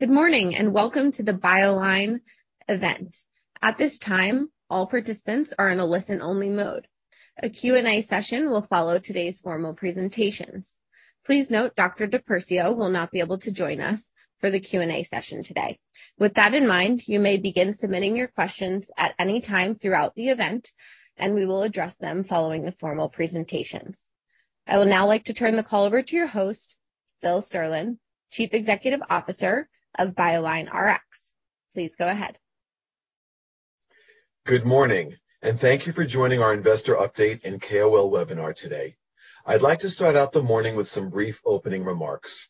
Good morning, and welcome to the BioLineRx event. At this time, all participants are in a listen-only mode. A Q&A session will follow today's formal presentations. Please note Dr. DiPersio will not be able to join us for the Q&A session today. With that in mind, you may begin submitting your questions at any time throughout the event, and we will address them following the formal presentations. I would now like to turn the call over to your host, Phil Serlin, Chief Executive Officer of BioLineRx. Please go ahead. Good morning, and thank you for joining our investor update and KOL webinar today. I'd like to start out the morning with some brief opening remarks.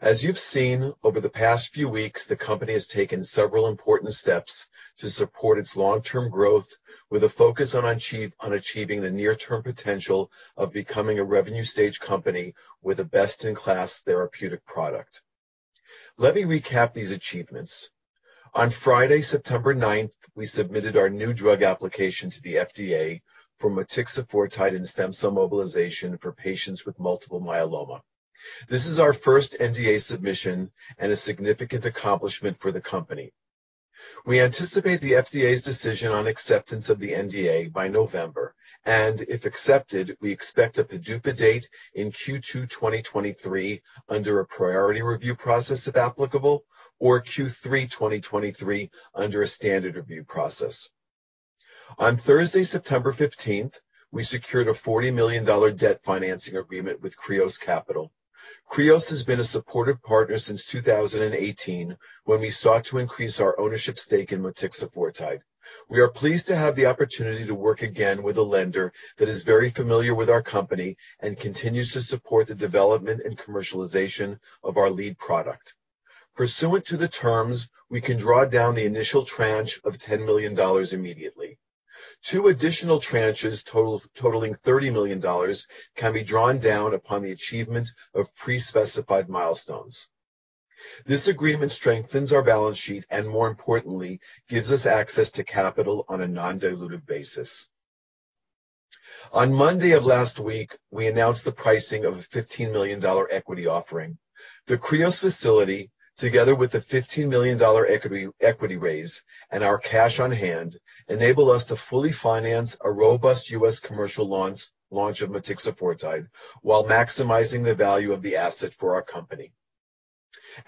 As you've seen over the past few weeks, the company has taken several important steps to support its long-term growth with a focus on achieving the near-term potential of becoming a revenue stage company with a best-in-class therapeutic product. Let me recap these achievements. On Friday, September 9, we submitted our new drug application to the FDA for motixafortide and stem cell mobilization for patients with multiple myeloma. This is our first NDA submission and a significant accomplishment for the company. We anticipate the FDA's decision on acceptance of the NDA by November, and if accepted, we expect a PDUFA date in Q2 2023 under a priority review process, if applicable, or Q3 2023 under a standard review process. On Thursday, September 15, we secured a $40 million debt financing agreement with Kreos Capital. Kreos has been a supportive partner since 2018 when we sought to increase our ownership stake in motixafortide. We are pleased to have the opportunity to work again with a lender that is very familiar with our company and continues to support the development and commercialization of our lead product. Pursuant to the terms, we can draw down the initial tranche of $10 million immediately. Two additional tranches totaling $30 million can be drawn down upon the achievement of pre-specified milestones. This agreement strengthens our balance sheet and, more importantly, gives us access to capital on a non-dilutive basis. On Monday of last week, we announced the pricing of a $15 million equity offering. The Kreos facility, together with the $15 million equity raise and our cash on hand, enable us to fully finance a robust U.S. commercial launch of motixafortide while maximizing the value of the asset for our company.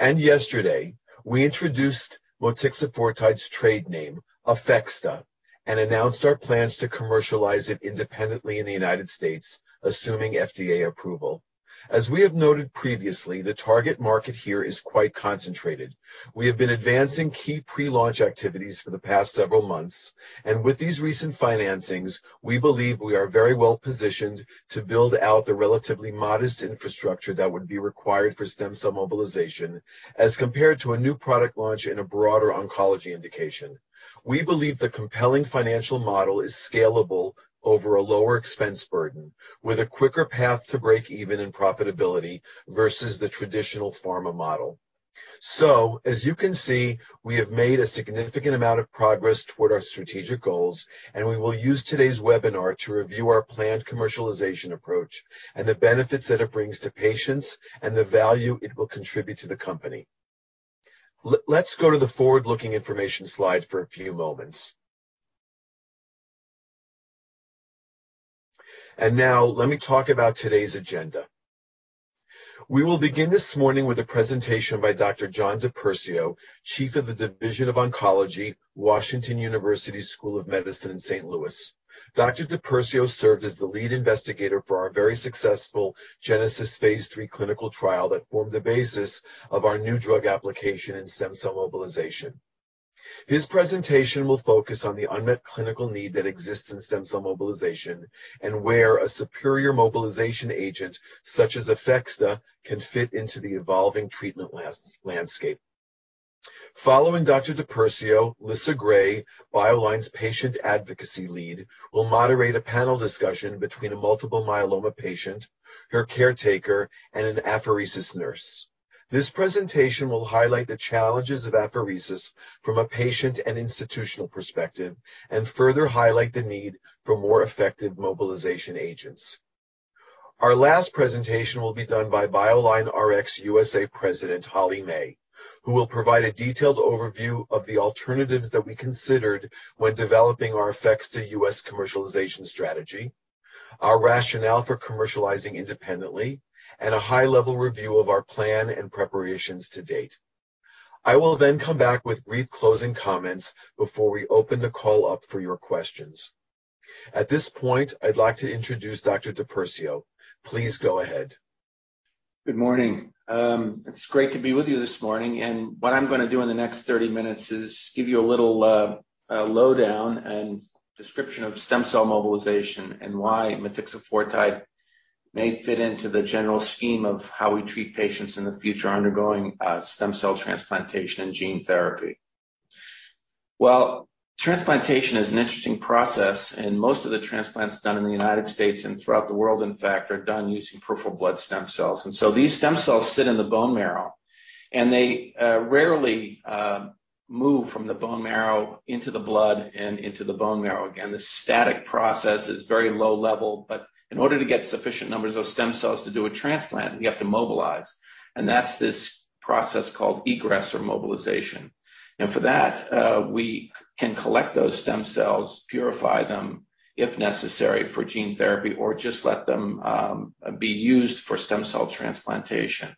Yesterday, we introduced motixafortide's trade name, APHEXDA, and announced our plans to commercialize it independently in the United States, assuming FDA approval. As we have noted previously, the target market here is quite concentrated. We have been advancing key pre-launch activities for the past several months, and with these recent financings, we believe we are very well-positioned to build out the relatively modest infrastructure that would be required for stem cell mobilization as compared to a new product launch in a broader oncology indication. We believe the compelling financial model is scalable over a lower expense burden with a quicker path to break even in profitability versus the traditional pharma model. As you can see, we have made a significant amount of progress toward our strategic goals, and we will use today's webinar to review our planned commercialization approach and the benefits that it brings to patients and the value it will contribute to the company. Let's go to the forward-looking information slide for a few moments. Now let me talk about today's agenda. We will begin this morning with a presentation by Dr. John DiPersio, Chief of the Division of Oncology, Washington University School of Medicine in St. Louis. Dr. DiPersio served as the lead investigator for our very successful GENESIS-3 clinical trial that formed the basis of our new drug application in stem cell mobilization. His presentation will focus on the unmet clinical need that exists in stem cell mobilization and where a superior mobilization agent, such as APHEXDA, can fit into the evolving treatment landscape. Following Dr. DiPersio, Lissa Gray, BioLineRx's Patient Advocacy Lead, will moderate a panel discussion between a multiple myeloma patient, her caretaker, and an apheresis nurse. This presentation will highlight the challenges of apheresis from a patient and institutional perspective and further highlight the need for more effective mobilization agents. Our last presentation will be done by BioLineRx USA President Holly May, who will provide a detailed overview of the alternatives that we considered when developing our APHEXDA US commercialization strategy, our rationale for commercializing independently, and a high-level review of our plan and preparations to date. I will then come back with brief closing comments before we open the call up for your questions. At this point, I'd like to introduce Dr. DiPersio. Please go ahead. Good morning. It's great to be with you this morning, and what I'm gonna do in the next 30 minutes is give you a little, lowdown and description of stem cell mobilization and why motixafortide may fit into the general scheme of how we treat patients in the future undergoing, stem cell transplantation and gene therapy. Well, transplantation is an interesting process, and most of the transplants done in the United States and throughout the world, in fact, are done using peripheral blood stem cells. These stem cells sit in the bone marrow, and they rarely, Move from the bone marrow into the blood and into the bone marrow. Again, the steady-state process is very low level, but in order to get sufficient numbers of stem cells to do a transplant, we have to mobilize. That's this process called egress or mobilization. For that, we can collect those stem cells, purify them if necessary for gene therapy, or just let them be used for stem cell transplantation.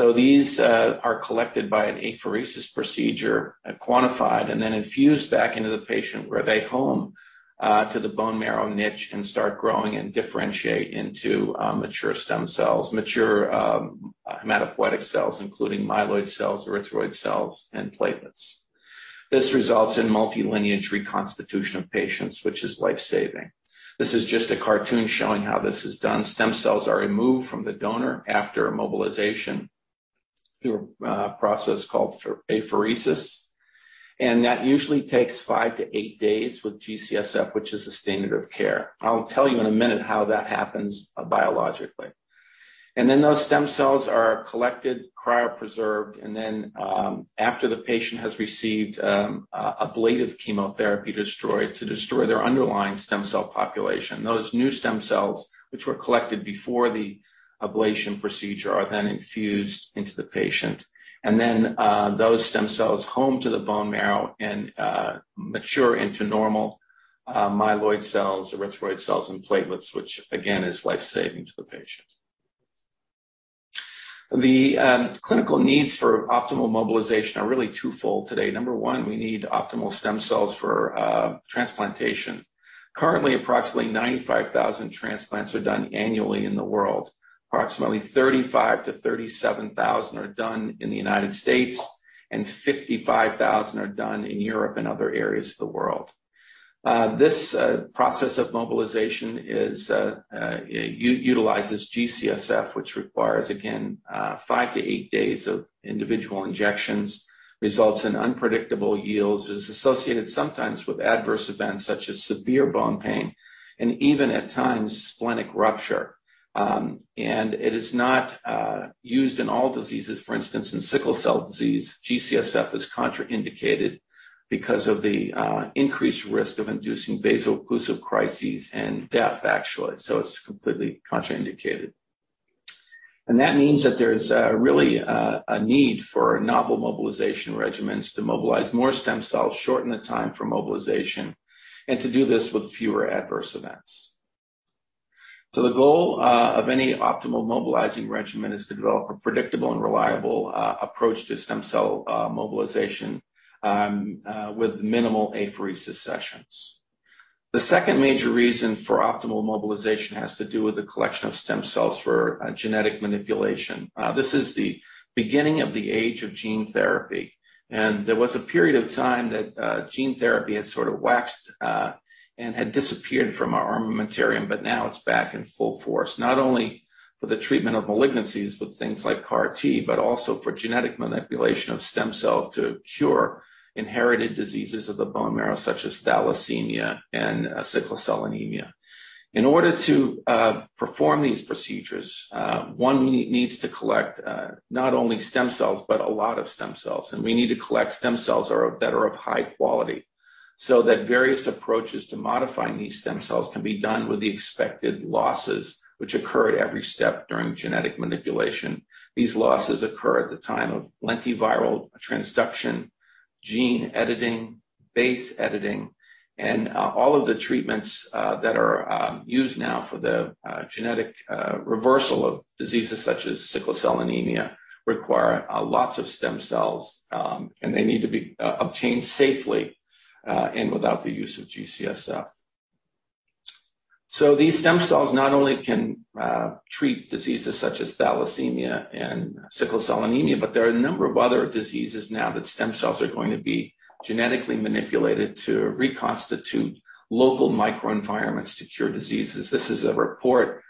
These are collected by an apheresis procedure and quantified, and then infused back into the patient where they home to the bone marrow niche and start growing and differentiate into mature stem cells, mature hematopoietic cells, including myeloid cells, erythroid cells, and platelets. This results in multilineage reconstitution of patients, which is life-saving. This is just a cartoon showing how this is done. Stem cells are removed from the donor after a mobilization through a process called apheresis, and that usually takes 5-8 days with G-CSF, which is the standard of care. I'll tell you in a minute how that happens biologically. Those stem cells are collected, cryopreserved, and then, after the patient has received ablative chemotherapy to destroy their underlying stem cell population, those new stem cells, which were collected before the ablation procedure, are then infused into the patient. Those stem cells home to the bone marrow and mature into normal myeloid cells, erythroid cells, and platelets, which again, is life-saving to the patient. The clinical needs for optimal mobilization are really twofold today. Number one, we need optimal stem cells for transplantation. Currently, approximately 95,000 transplants are done annually in the world. Approximately 35,000-37,000 are done in the United States, and 55,000 are done in Europe and other areas of the world. This process of mobilization utilizes G-CSF, which requires, again, 5-8 days of individual injections, results in unpredictable yields, is associated sometimes with adverse events such as severe bone pain, and even at times splenic rupture. It is not used in all diseases. For instance, in sickle cell disease, G-CSF is contraindicated because of the increased risk of inducing vaso-occlusive crises and death, actually, so it's completely contraindicated. That means that there is really a need for novel mobilization regimens to mobilize more stem cells, shorten the time for mobilization, and to do this with fewer adverse events. The goal of any optimal mobilizing regimen is to develop a predictable and reliable approach to stem cell mobilization with minimal apheresis sessions. The second major reason for optimal mobilization has to do with the collection of stem cells for a genetic manipulation. This is the beginning of the age of gene therapy, and there was a period of time that gene therapy had sort of waxed and had disappeared from our armamentarium, but now it's back in full force, not only for the treatment of malignancies with things like CAR T, but also for genetic manipulation of stem cells to cure inherited diseases of the bone marrow, such as thalassemia and sickle cell anemia. In order to perform these procedures, one needs to collect not only stem cells, but a lot of stem cells, and we need to collect stem cells that are of high quality, so that various approaches to modifying these stem cells can be done with the expected losses which occur at every step during genetic manipulation. These losses occur at the time of lentiviral transduction, gene editing, base editing, and all of the treatments that are used now for the genetic reversal of diseases such as sickle cell anemia require lots of stem cells, and they need to be obtained safely and without the use of G-CSF. These stem cells not only can treat diseases such as thalassemia and sickle cell anemia, but there are a number of other diseases now that stem cells are going to be genetically manipulated to reconstitute local microenvironments to cure diseases. This is a report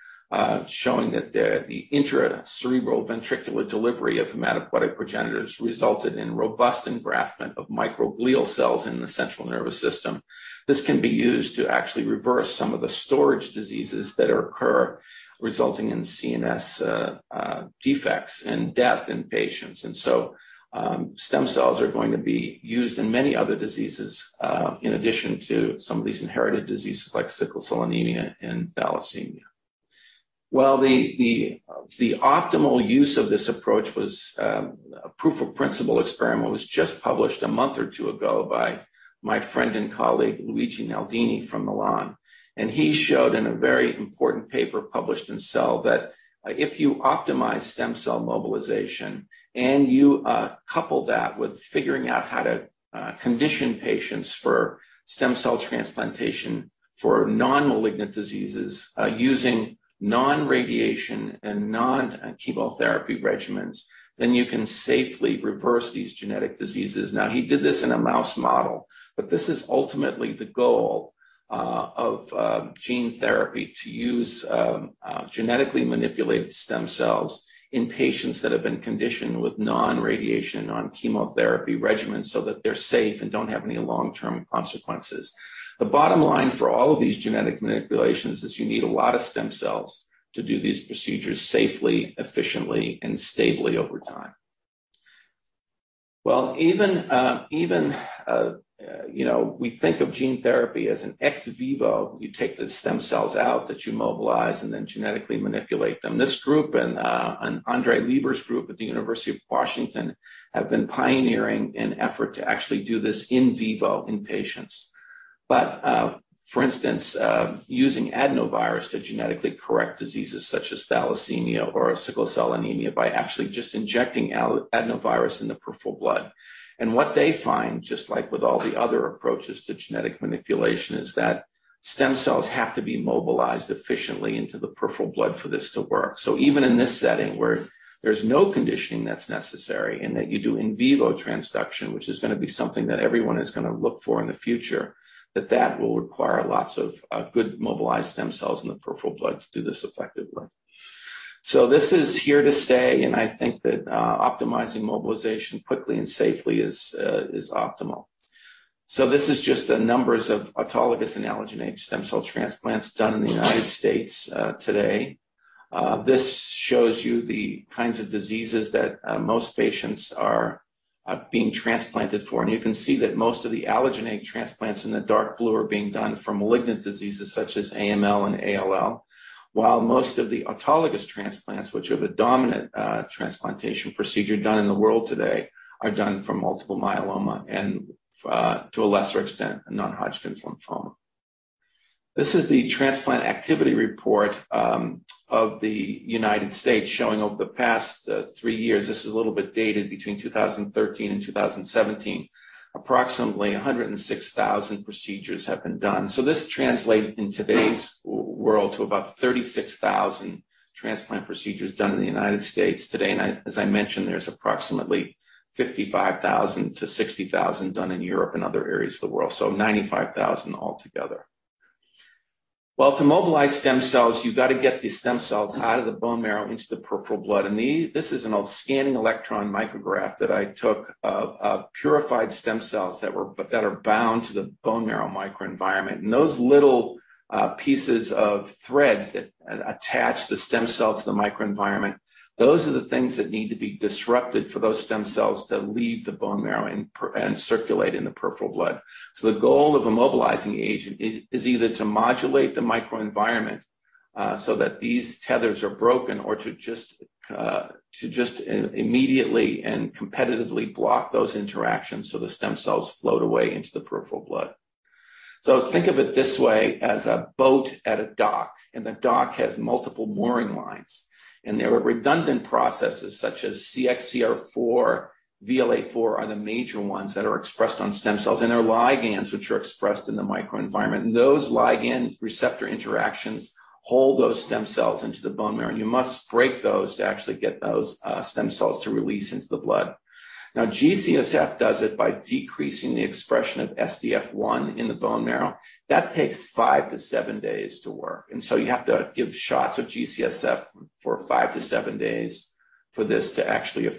showing that the intracerebral ventricular delivery of hematopoietic progenitors resulted in robust engraftment of microglial cells in the central nervous system. This can be used to actually reverse some of the storage diseases that occur, resulting in CNS defects and death in patients. Stem cells are going to be used in many other diseases in addition to some of these inherited diseases like sickle cell anemia and thalassemia. While the optimal use of this approach was a proof of principle experiment just published a month or two ago by my friend and colleague, Luigi Naldini from Milan. He showed in a very important paper published in Cell that if you optimize stem cell mobilization and you couple that with figuring out how to condition patients for stem cell transplantation for non-malignant diseases using non-radiation and non-chemotherapy regimens, then you can safely reverse these genetic diseases. Now, he did this in a mouse model, but this is ultimately the goal of gene therapy, to use genetically manipulated stem cells in patients that have been conditioned with non-radiation, non-chemotherapy regimens so that they're safe and don't have any long-term consequences. The bottom line for all of these genetic manipulations is you need a lot of stem cells. To do these procedures safely, efficiently, and stably over time. Well, even, you know, we think of gene therapy as an ex vivo. You take the stem cells out that you mobilize and then genetically manipulate them. This group and André Lieber's group at the University of Washington have been pioneering an effort to actually do this in vivo in patients. For instance, using adenovirus to genetically correct diseases such as thalassemia or sickle cell anemia by actually just injecting adenovirus in the peripheral blood. What they find, just like with all the other approaches to genetic manipulation, is that stem cells have to be mobilized efficiently into the peripheral blood for this to work. Even in this setting where there's no conditioning that's necessary and that you do in vivo transduction, which is going to be something that everyone is going to look for in the future, that will require lots of good mobilized stem cells in the peripheral blood to do this effectively. This is here to stay, and I think that optimizing mobilization quickly and safely is optimal. This is just the numbers of autologous and allogeneic stem cell transplants done in the United States today. This shows you the kinds of diseases that most patients are being transplanted for. You can see that most of the allogeneic transplants in the dark blue are being done for malignant diseases such as AML and ALL, while most of the autologous transplants, which are the dominant transplantation procedure done in the world today, are done for multiple myeloma and to a lesser extent, non-Hodgkin's lymphoma. This is the transplant activity report of the United States showing over the past 3 years. This is a little bit dated, between 2013 and 2017. Approximately 106,000 procedures have been done. This translates in today's world to about 36,000 transplant procedures done in the United States today, and as I mentioned, there's approximately 55,000-60,000 done in Europe and other areas of the world, 95,000 altogether. Well, to mobilize stem cells, you've got to get these stem cells out of the bone marrow into the peripheral blood. This is an old scanning electron micrograph that I took of purified stem cells that are bound to the bone marrow microenvironment. Those little pieces of threads that attach the stem cell to the microenvironment, those are the things that need to be disrupted for those stem cells to leave the bone marrow and circulate in the peripheral blood. The goal of a mobilizing agent is either to modulate the microenvironment so that these tethers are broken or to just immediately and competitively block those interactions so the stem cells float away into the peripheral blood. Think of it this way, as a boat at a dock, and the dock has multiple mooring lines, and there are redundant processes such as CXCR4, VLA-4 are the major ones that are expressed on stem cells, and there are ligands which are expressed in the microenvironment. Those ligand receptor interactions hold those stem cells into the bone marrow, and you must break those to actually get those, stem cells to release into the blood. Now, G-CSF does it by decreasing the expression of SDF-1 in the bone marrow. That takes 5 to 7 days to work, and so you have to give shots of G-CSF for 5 to 7 days for this to actually,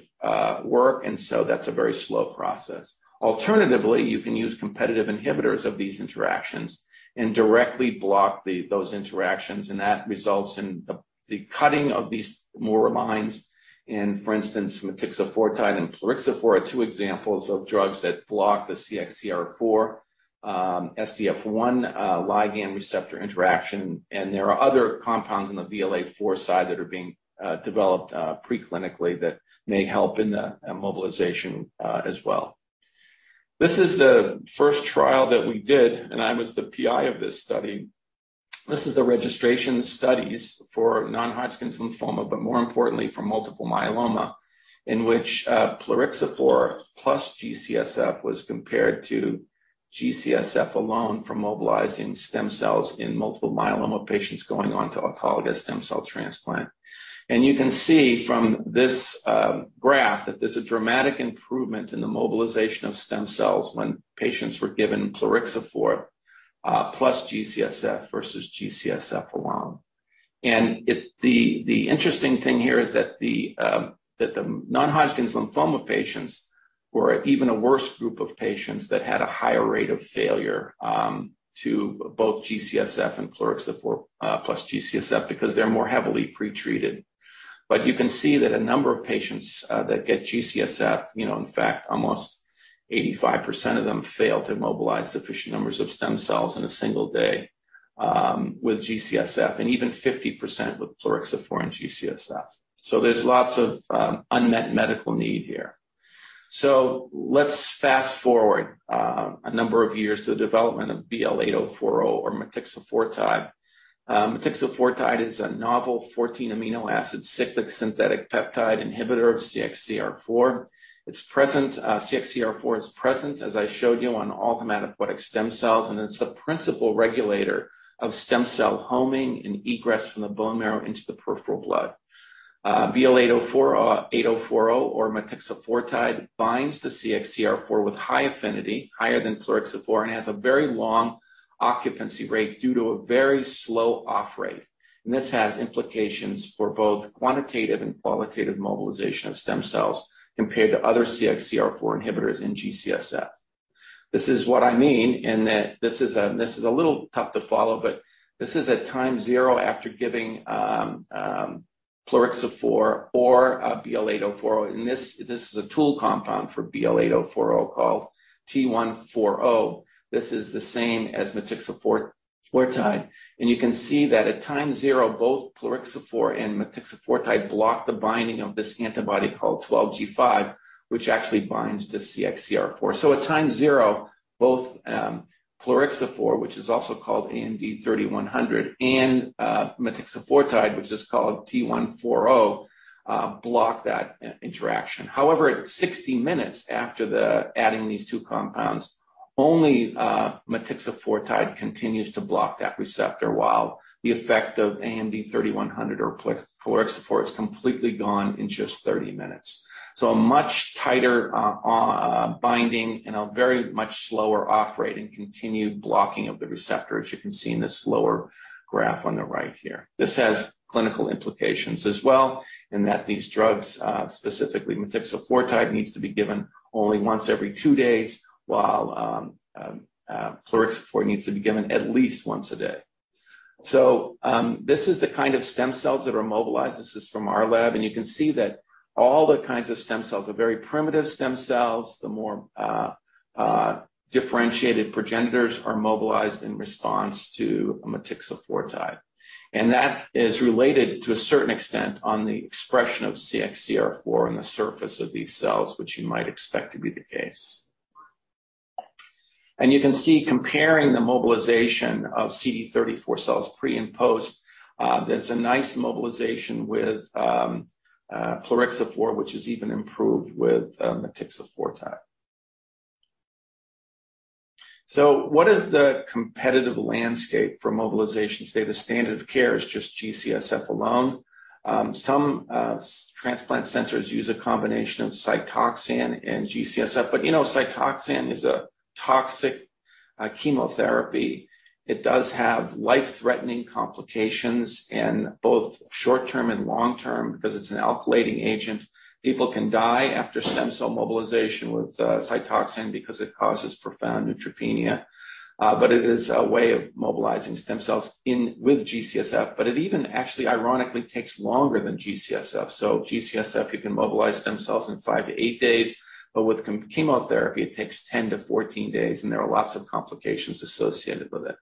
work, and so that's a very slow process. Alternatively, you can use competitive inhibitors of these interactions and directly block those interactions, and that results in the cutting of these mooring lines. For instance, motixafortide and plerixafor are two examples of drugs that block the CXCR4 SDF-1 ligand receptor interaction, and there are other compounds on the VLA-4 side that are being developed preclinically that may help in the mobilization as well. This is the first trial that we did, and I was the PI of this study. This is the registration studies for non-Hodgkin's lymphoma, but more importantly for multiple myeloma, in which plerixafor plus G-CSF was compared to G-CSF alone for mobilizing stem cells in multiple myeloma patients going on to autologous stem cell transplant. You can see from this graph that there's a dramatic improvement in the mobilization of stem cells when patients were given plerixafor plus G-CSF versus G-CSF alone. The interesting thing here is that the non-Hodgkin's lymphoma patients were even a worse group of patients that had a higher rate of failure to both G-CSF and plerixafor plus G-CSF because they're more heavily pretreated. You can see that a number of patients that get G-CSF, you know, in fact, almost 85% of them fail to mobilize sufficient numbers of stem cells in a single day with G-CSF, and even 50% with plerixafor and G-CSF. There's lots of unmet medical need here. Let's fast-forward a number of years to the development of BL-8040, or motixafortide. Motixafortide is a novel 14-amino acid cyclic synthetic peptide inhibitor of CXCR4. It's present, CXCR4 is present, as I showed you, on all hematopoietic stem cells, and it's the principal regulator of stem cell homing and egress from the bone marrow into the peripheral blood. BL-8040 or motixafortide binds to CXCR4 with high affinity, higher than plerixafor, and has a very long occupancy rate due to a very slow off rate, and this has implications for both quantitative and qualitative mobilization of stem cells compared to other CXCR4 inhibitors in G-CSF. This is what I mean in that this is a little tough to follow, but this is at time zero after giving plerixafor or BL-8040. This is a tool compound for BL-8040 called T140. This is the same as motixafortide. You can see that at time 0, both plerixafor and motixafortide block the binding of this antibody called 12G5, which actually binds to CXCR4. At time 0, both plerixafor, which is also called AMD3100, and motixafortide, which is called T140, block that interaction. However, at 60 mins. After adding these two compounds, only motixafortide continues to block that receptor while the effect of AMD3100 or plerixafor is completely gone in just 30 mins.. A much tighter binding and a very much slower off rate and continued blocking of the receptor, as you can see in this slower graph on the right here. This has clinical implications as well in that these drugs, specifically motixafortide, needs to be given only once every 2 days, while plerixafor needs to be given at least once a day. This is the kind of stem cells that are mobilized. This is from our lab, and you can see that all the kinds of stem cells, the very primitive stem cells, the more differentiated progenitors are mobilized in response to a motixafortide. That is related to a certain extent on the expression of CXCR4 in the surface of these cells, which you might expect to be the case. You can see comparing the mobilization of CD34 cells pre and post, there's a nice mobilization with plerixafor, which is even improved with motixafortide. What is the competitive landscape for mobilization? Today, the standard of care is just G-CSF alone. Some transplant centers use a combination of Cytoxan and G-CSF, but you know, Cytoxan is a toxic chemotherapy. It does have life-threatening complications in both short-term and long-term because it's an alkylating agent. People can die after stem cell mobilization with Cytoxan because it causes profound neutropenia. But it is a way of mobilizing stem cells with G-CSF, but it even actually ironically takes longer than G-CSF. G-CSF, you can mobilize stem cells in 5-8 days, but with chemotherapy, it takes 10-14 days, and there are lots of complications associated with it.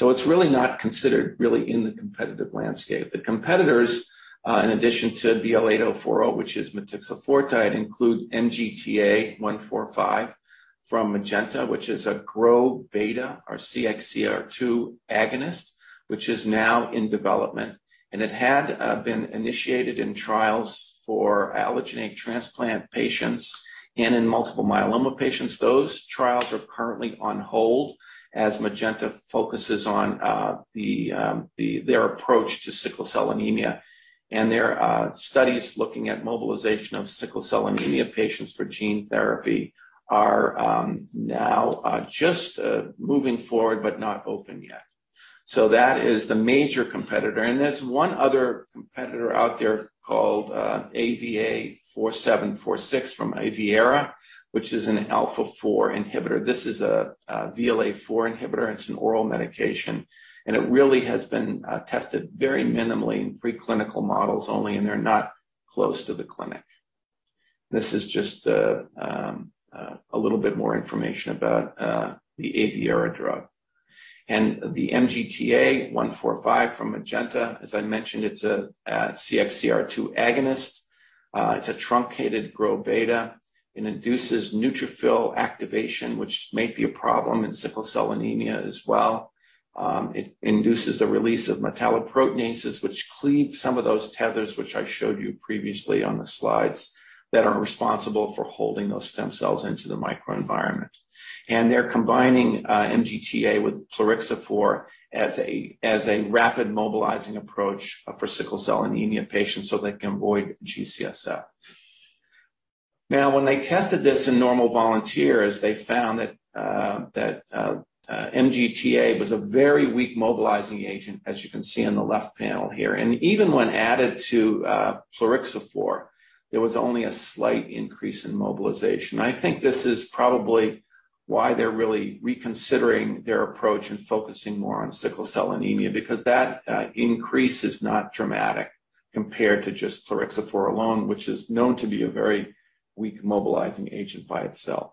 It's really not considered in the competitive landscape. The competitors in addition to BL-8040, which is motixafortide, include MGTA-145 from Magenta, which is a GRO-beta or CXCR2 agonist, which is now in development. It had been initiated in trials for allogeneic transplant patients and in multiple myeloma patients. Those trials are currently on hold as Magenta focuses on their approach to sickle cell anemia. Their studies looking at mobilization of sickle cell anemia patients for gene therapy are now just moving forward but not open yet. That is the major competitor. There's one other competitor out there called AVA4746 from Aviara, which is an alpha-4 inhibitor. This is a VLA-4 inhibitor, and it's an oral medication, and it really has been tested very minimally in preclinical models only, and they're not close to the clinic. This is just a little bit more information about the Aviara drug. The MGTA-145 from Magenta, as I mentioned, it's a CXCR2 agonist. It's a truncated GRO-beta. It induces neutrophil activation, which may be a problem in sickle cell anemia as well. It induces the release of metalloproteinases, which cleave some of those tethers which I showed you previously on the slides, that are responsible for holding those stem cells into the microenvironment. They're combining MGTA with plerixafor as a rapid mobilizing approach for sickle cell anemia patients, so they can avoid G-CSF. Now, when they tested this in normal volunteers, they found that MGTA was a very weak mobilizing agent, as you can see on the left panel here. Even when added to plerixafor, there was only a slight increase in mobilization. I think this is probably why they're really reconsidering their approach and focusing more on sickle cell anemia because that increase is not dramatic compared to just plerixafor alone, which is known to be a very weak mobilizing agent by itself.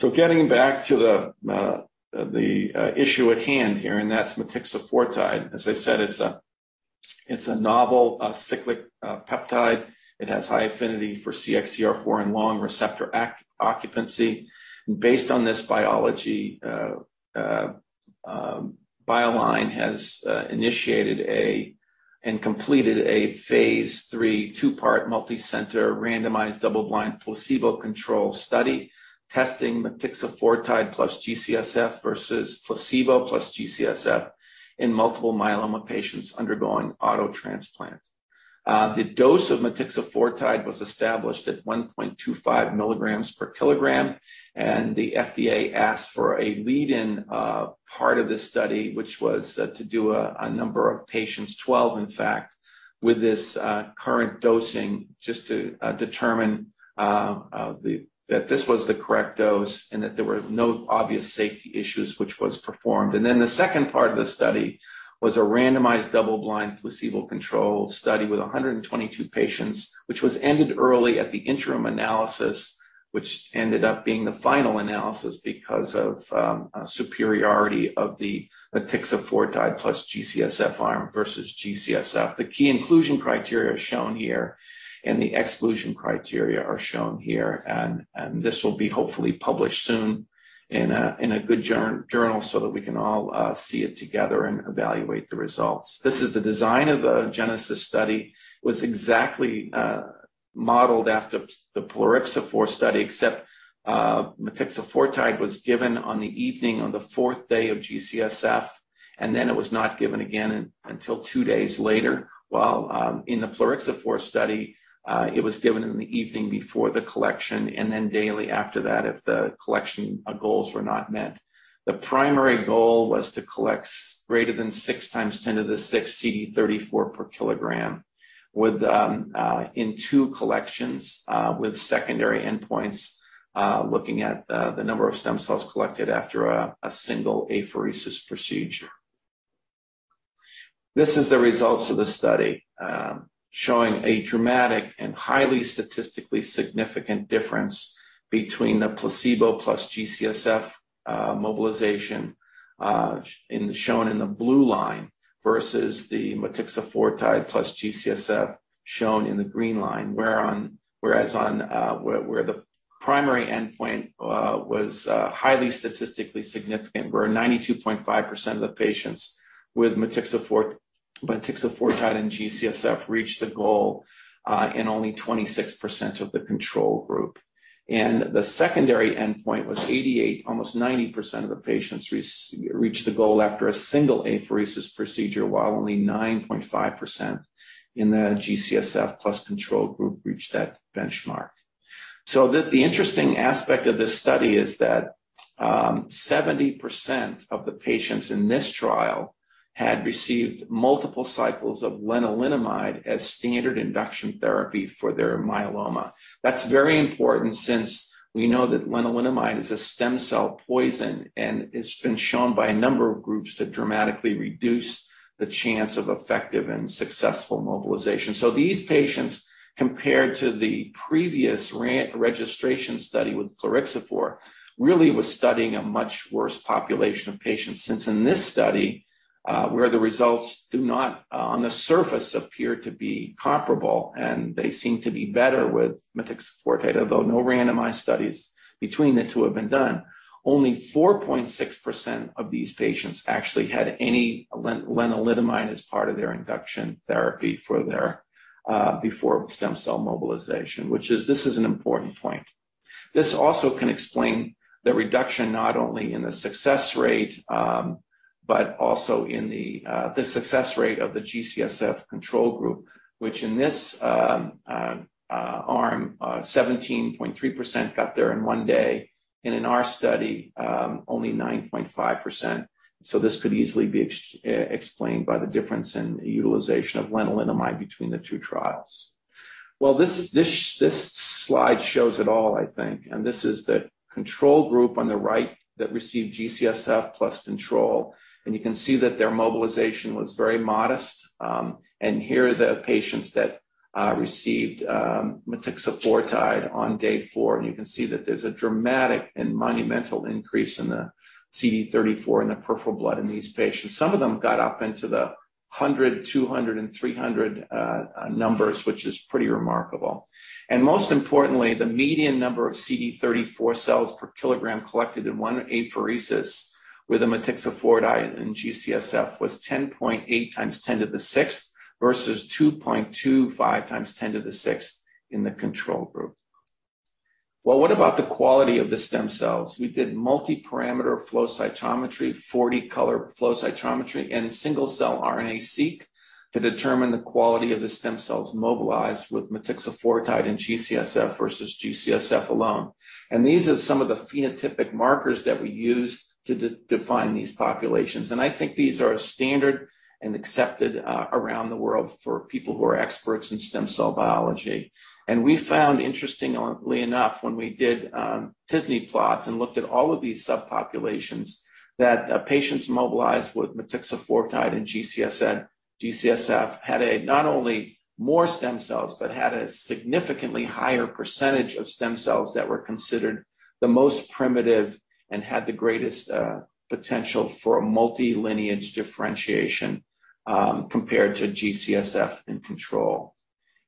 Getting back to the issue at hand here, that's motixafortide, as I said, it's a novel cyclic peptide. It has high affinity for CXCR4 and long receptor occupancy. Based on this biology, BioLineRx has initiated and completed a Phase 3 two-part multicenter randomized double-blind placebo-controlled study testing motixafortide + G-CSF versus placebo + G-CSF in multiple myeloma patients undergoing auto transplant. The dose of motixafortide was established at 1.25 milligrams per kilogram, and the FDA asked for a lead-in part of the study, which was to do a number of patients, 12 in fact, with this current dosing, just to determine that this was the correct dose, and that there were no obvious safety issues which was performed. Then the second part of the study was a randomized, double-blind, placebo-controlled study with 122 patients, which was ended early at the interim analysis, which ended up being the final analysis because of a superiority of the motixafortide + G-CSF arm versus G-CSF. The key inclusion criteria shown here and the exclusion criteria are shown here, and this will be hopefully published soon in a good journal so that we can all see it together and evaluate the results. This is the design of the GENESIS study, was exactly modeled after the plerixafor study, except, motixafortide was given on the evening on the fourth day of G-CSF, and then it was not given again until two days later, while, in the plerixafor study, it was given in the evening before the collection and then daily after that if the collection goals were not met. The primary goal was to collect greater than 6 × 10 to the 6 CD34 per kilogram with, in 2 collections, with secondary endpoints, looking at the the number of stem cells collected after a single apheresis procedure. This is the results of the study, showing a dramatic and highly statistically significant difference between the placebo + G-CSF mobilization shown in the blue line versus the motixafortide + G-CSF shown in the green line, whereas the primary endpoint was highly statistically significant, where 92.5% of the patients with motixafortide and G-CSF reached the goal, and only 26% of the control group. The secondary endpoint was 88%, almost 90% of the patients reached the goal after a single apheresis procedure, while only 9.5% in the G-CSF plus control group reached that benchmark. The interesting aspect of this study is that, 70% of the patients in this trial had received multiple cycles of lenalidomide as standard induction therapy for their myeloma. That's very important since we know that lenalidomide is a stem cell poison, and it's been shown by a number of groups to dramatically reduce the chance of effective and successful mobilization. These patients, compared to the previous registration study with plerixafor, really was studying a much worse population of patients since in this study, where the results do not, on the surface, appear to be comparable, and they seem to be better with motixafortide, although no randomized studies between the two have been done. Only 4.6% of these patients actually had any lenalidomide as part of their induction therapy for their, before stem cell mobilization, which is this is an important point. This also can explain the reduction not only in the success rate, but also in the success rate of the G-CSF control group, which in this arm, 17.3% got there in one day, and in our study, only 9.5%. This could easily be explained by the difference in utilization of lenalidomide between the two trials. Well, this slide shows it all, I think. This is the control group on the right that received G-CSF plus control, and you can see that their mobilization was very modest. Here are the patients that received motixafortide on day four, and you can see that there's a dramatic and monumental increase in the CD34 in the peripheral blood in these patients. Some of them got up into the 100, 200, and 300 numbers, which is pretty remarkable. Most importantly, the median number of CD34 cells per kilogram collected in 1 apheresis with the motixafortide and G-CSF was 10.8 × 10^6 versus 2.25 × 10^6 in the control group. Well, what about the quality of the stem cells? We did multiparameter flow cytometry, 40-color flow cytometry, and single-cell RNA-seq to determine the quality of the stem cells mobilized with motixafortide and G-CSF versus G-CSF alone. These are some of the phenotypic markers that we use to define these populations. I think these are standard and accepted around the world for people who are experts in stem cell biology. We found, interestingly enough, when we did t-SNE plots and looked at all of these subpopulations, that patients mobilized with motixafortide and G-CSF had a not only more stem cells, but had a significantly higher percentage of stem cells that were considered the most primitive and had the greatest potential for a multi-lineage differentiation, compared to G-CSF in control.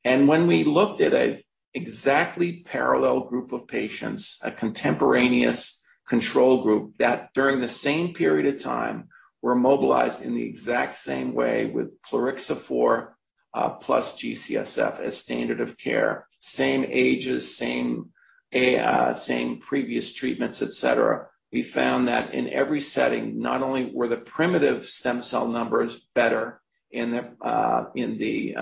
When we looked at an exactly parallel group of patients, a contemporaneous control group that during the same period of time were mobilized in the exact same way with plerixafor plus G-CSF as standard of care, same ages, same previous treatments, et cetera, we found that in every setting, not only were the primitive stem cell numbers better in the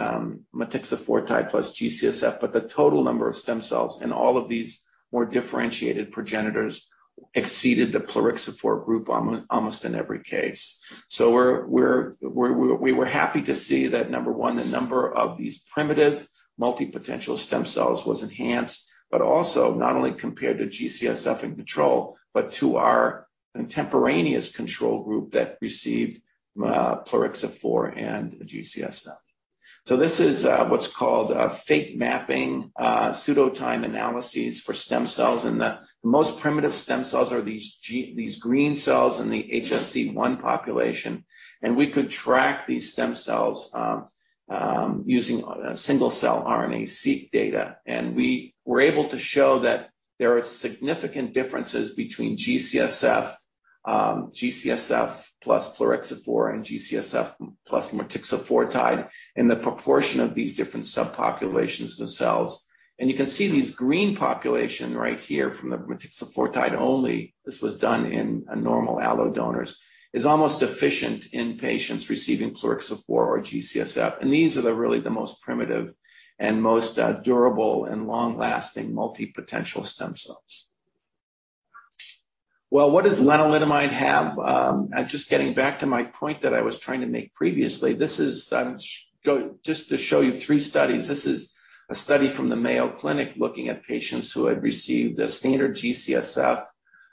motixafortide plus G-CSF, but the total number of stem cells in all of these more differentiated progenitors exceeded the plerixafor group almost in every case. We were happy to see that number one, the number of these primitive multipotential stem cells was enhanced, but also not only compared to G-CSF in control, but to our contemporaneous control group that received plerixafor and G-CSF. This is what's called a fate mapping pseudo-time analysis for stem cells, and the most primitive stem cells are these green cells in the HSC one population. We could track these stem cells using single-cell RNA-seq data. We were able to show that there are significant differences between G-CSF, G-CSF plus plerixafor, and G-CSF plus motixafortide in the proportion of these different subpopulations of the cells. You can see these green population right here from the motixafortide only. This was done in normal allo donors and is almost as efficient in patients receiving plerixafor or G-CSF. These are really the most primitive and most durable and long-lasting multipotential stem cells. Well, what does lenalidomide have? Just getting back to my point that I was trying to make previously, this is just to show you three studies. This is a study from the Mayo Clinic looking at patients who had received a standard G-CSF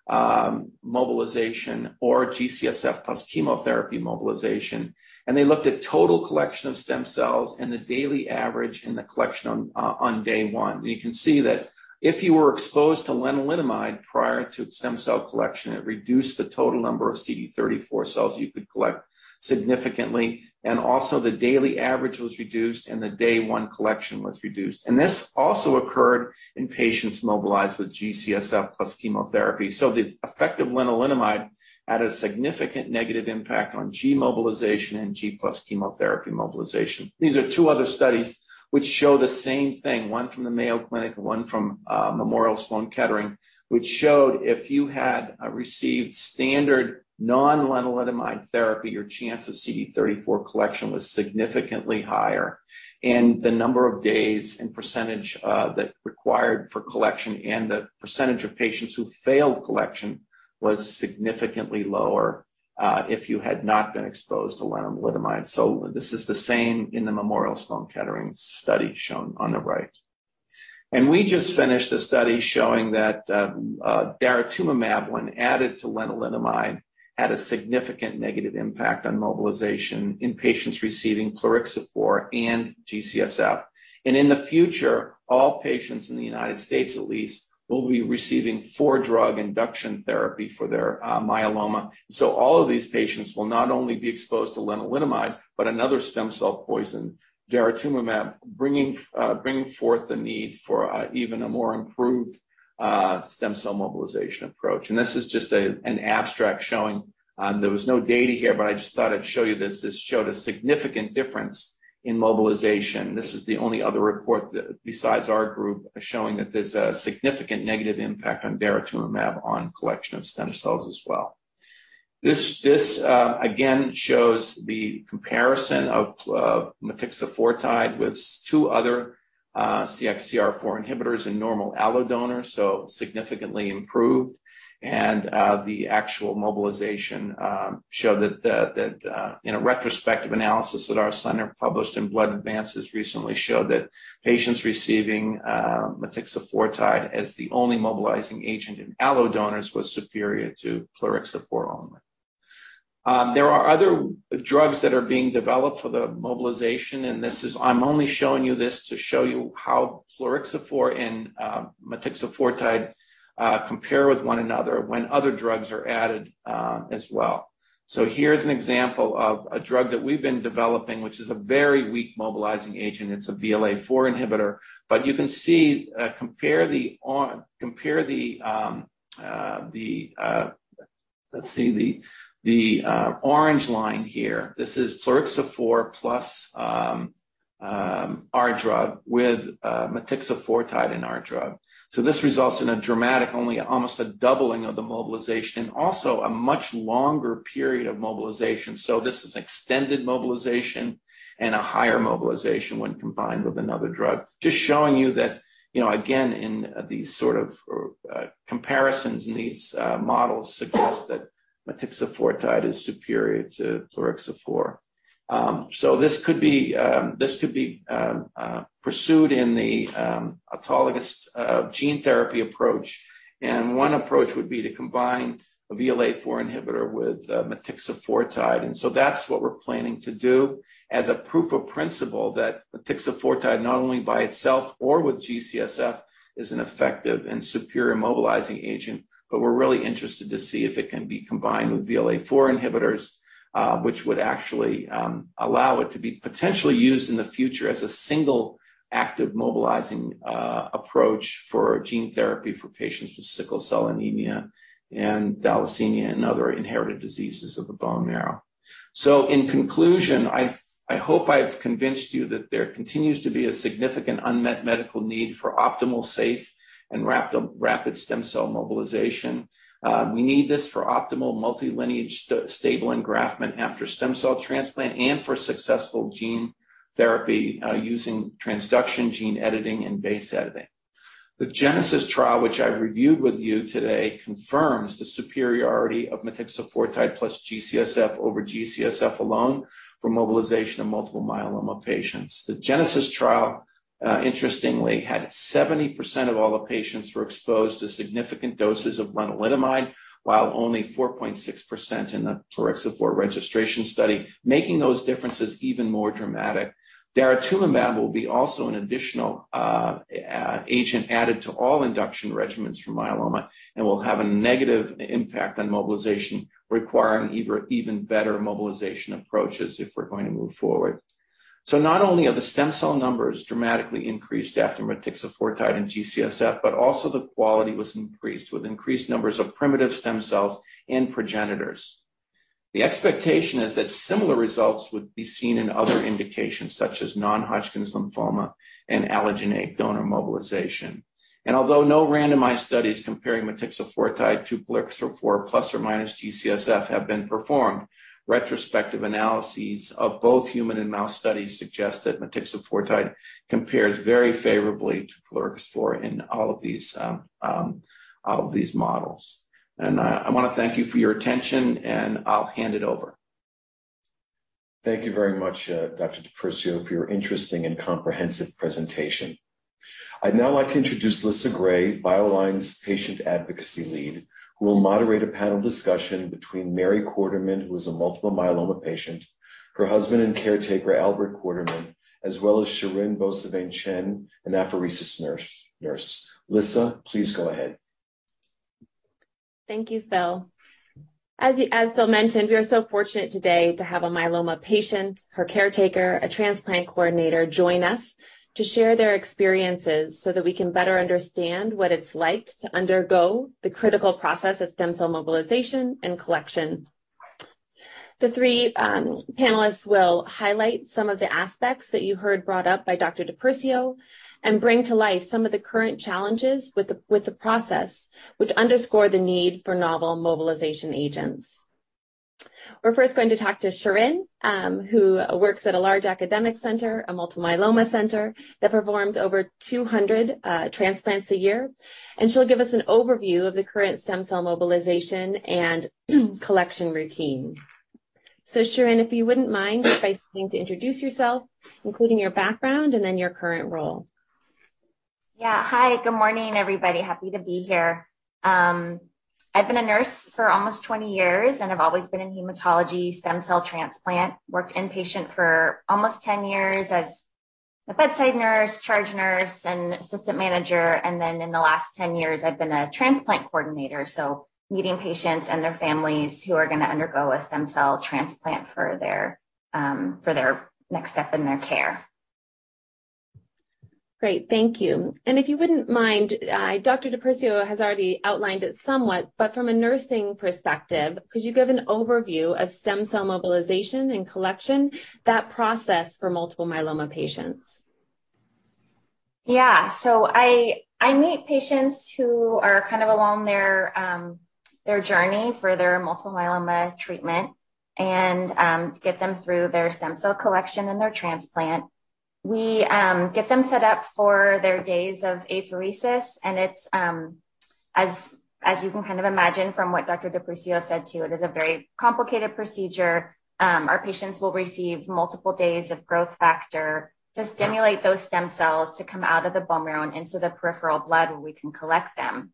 mobilization or G-CSF plus chemotherapy mobilization. They looked at total collection of stem cells and the daily average in the collection on day 1. You can see that if you were exposed to lenalidomide prior to stem cell collection, it reduced the total number of CD34 cells you could collect significantly, and also the daily average was reduced, and the day 1 collection was reduced. This also occurred in patients mobilized with G-CSF + chemotherapy. The effect of lenalidomide had a significant negative impact on G mobilization and G + chemotherapy mobilization. These are two other studies which show the same thing, one from the Mayo Clinic, one from Memorial Sloan Kettering, which showed if you had received standard non-lenalidomide therapy, your chance of CD34 collection was significantly higher, and the number of days and percentage that required for collection and the percentage of patients who failed collection was significantly lower if you had not been exposed to lenalidomide. This is the same in the Memorial Sloan Kettering study shown on the right. We just finished a study showing that daratumumab when added to lenalidomide had a significant negative impact on mobilization in patients receiving plerixafor and G-CSF. In the future, all patients in the United States at least will be receiving four drug induction therapy for their myeloma. All of these patients will not only be exposed to lenalidomide, but another stem cell poison, daratumumab, bringing forth the need for even a more improved stem cell mobilization approach. This is just an abstract showing. There was no data here, but I just thought I'd show you this. This showed a significant difference in mobilization. This was the only other report that, besides our group, showing that there's a significant negative impact of daratumumab on collection of stem cells as well. This again shows the comparison of motixafortide with two other CXCR4 inhibitors in normal allo donors, so significantly improved. The actual mobilization showed that in a retrospective analysis that our center published in Blood Advances recently showed that patients receiving motixafortide as the only mobilizing agent in allo donors was superior to plerixafor only. There are other drugs that are being developed for the mobilization. I'm only showing you this to show you how plerixafor and motixafortide compare with one another when other drugs are added as well. Here's an example of a drug that we've been developing, which is a very weak mobilizing agent. It's a VLA-4 inhibitor, but you can see compare the orange line here. This is plerixafor + our drug with motixafortide in our drug. This results in a dramatic, only almost a doubling of the mobilization, and also a much longer period of mobilization. This is extended mobilization and a higher mobilization when combined with another drug. Just showing you that, you know, again, in these sort of comparisons in these models suggest that motixafortide is superior to plerixafor. This could be pursued in the autologous gene therapy approach. One approach would be to combine a VLA-4 inhibitor with motixafortide. That's what we're planning to do as a proof of principle that motixafortide, not only by itself or with G-CSF, is an effective and superior mobilizing agent. We're really interested to see if it can be combined with VLA-4 inhibitors, which would actually allow it to be potentially used in the future as a single active mobilizing approach for gene therapy for patients with sickle cell anemia and thalassemia and other inherited diseases of the bone marrow. In conclusion, I hope I've convinced you that there continues to be a significant unmet medical need for optimal, safe, and rapid stem cell mobilization. We need this for optimal multi-lineage stable engraftment after stem cell transplant and for successful gene therapy using transduction gene editing and base editing. The GENESIS trial, which I've reviewed with you today, confirms the superiority of motixafortide plus G-CSF over G-CSF alone for mobilization of multiple myeloma patients. The GENESIS trial, interestingly, had 70% of all the patients were exposed to significant doses of lenalidomide, while only 4.6% in the plerixafor registration study, making those differences even more dramatic. Daratumumab will be also an additional agent added to all induction regimens for myeloma and will have a negative impact on mobilization, requiring even better mobilization approaches if we're going to move forward. Not only are the stem cell numbers dramatically increased after motixafortide and G-CSF, but also the quality was increased with increased numbers of primitive stem cells and progenitors. The expectation is that similar results would be seen in other indications such as non-Hodgkin's lymphoma and allogeneic donor mobilization. Although no randomized studies comparing motixafortide to plerixafor plus or minus G-CSF have been performed, retrospective analyses of both human and mouse studies suggest that motixafortide compares very favorably to plerixafor in all of these models. I want to thank you for your attention, and I'll hand it over. Thank you very much, Dr. DiPersio, for your interesting and comprehensive presentation. I'd now like to introduce Lissa Gray, BioLineRx's patient advocacy lead, who will moderate a panel discussion between Mary Quarterman, who is a multiple myeloma patient, her husband and caretaker, Albert Quarterman, as well as Shirin Bosavan Chen, an apheresis nurse. Lissa, please go ahead. Thank you, Phil. As Phil mentioned, we are so fortunate today to have a myeloma patient, her caretaker, a transplant coordinator join us to share their experiences so that we can better understand what it's like to undergo the critical process of stem cell mobilization and collection. The three panelists will highlight some of the aspects that you heard brought up by Dr. DiPersio and bring to life some of the current challenges with the process, which underscore the need for novel mobilization agents. We're first going to talk to Shirin, who works at a large academic center, a multiple myeloma center that performs over 200 transplants a year, and she'll give us an overview of the current stem cell mobilization and collection routine. Shirin, if you wouldn't mind starting to introduce yourself, including your background and then your current role. Yeah. Hi, good morning, everybody. Happy to be here. I've been a nurse for almost 20 years, and I've always been in hematology stem cell transplant. Worked inpatient for almost 10 years as a bedside nurse, charge nurse, and assistant manager. Then in the last 10 years, I've been a transplant coordinator, so meeting patients and their families who are going to undergo a stem cell transplant for their next step in their care. Great. Thank you. If you wouldn't mind, Dr. DiPersio has already outlined it somewhat, but from a nursing perspective, could you give an overview of stem cell mobilization and collection, that process for multiple myeloma patients? Yeah. I meet patients who are kind of along their journey for their multiple myeloma treatment and get them through their stem cell collection and their transplant. We get them set up for their days of apheresis, and it's as you can kind of imagine from what Dr. DiPersio said, too, it is a very complicated procedure. Our patients will receive multiple days of growth factor to stimulate those stem cells to come out of the bone marrow and into the peripheral blood where we can collect them.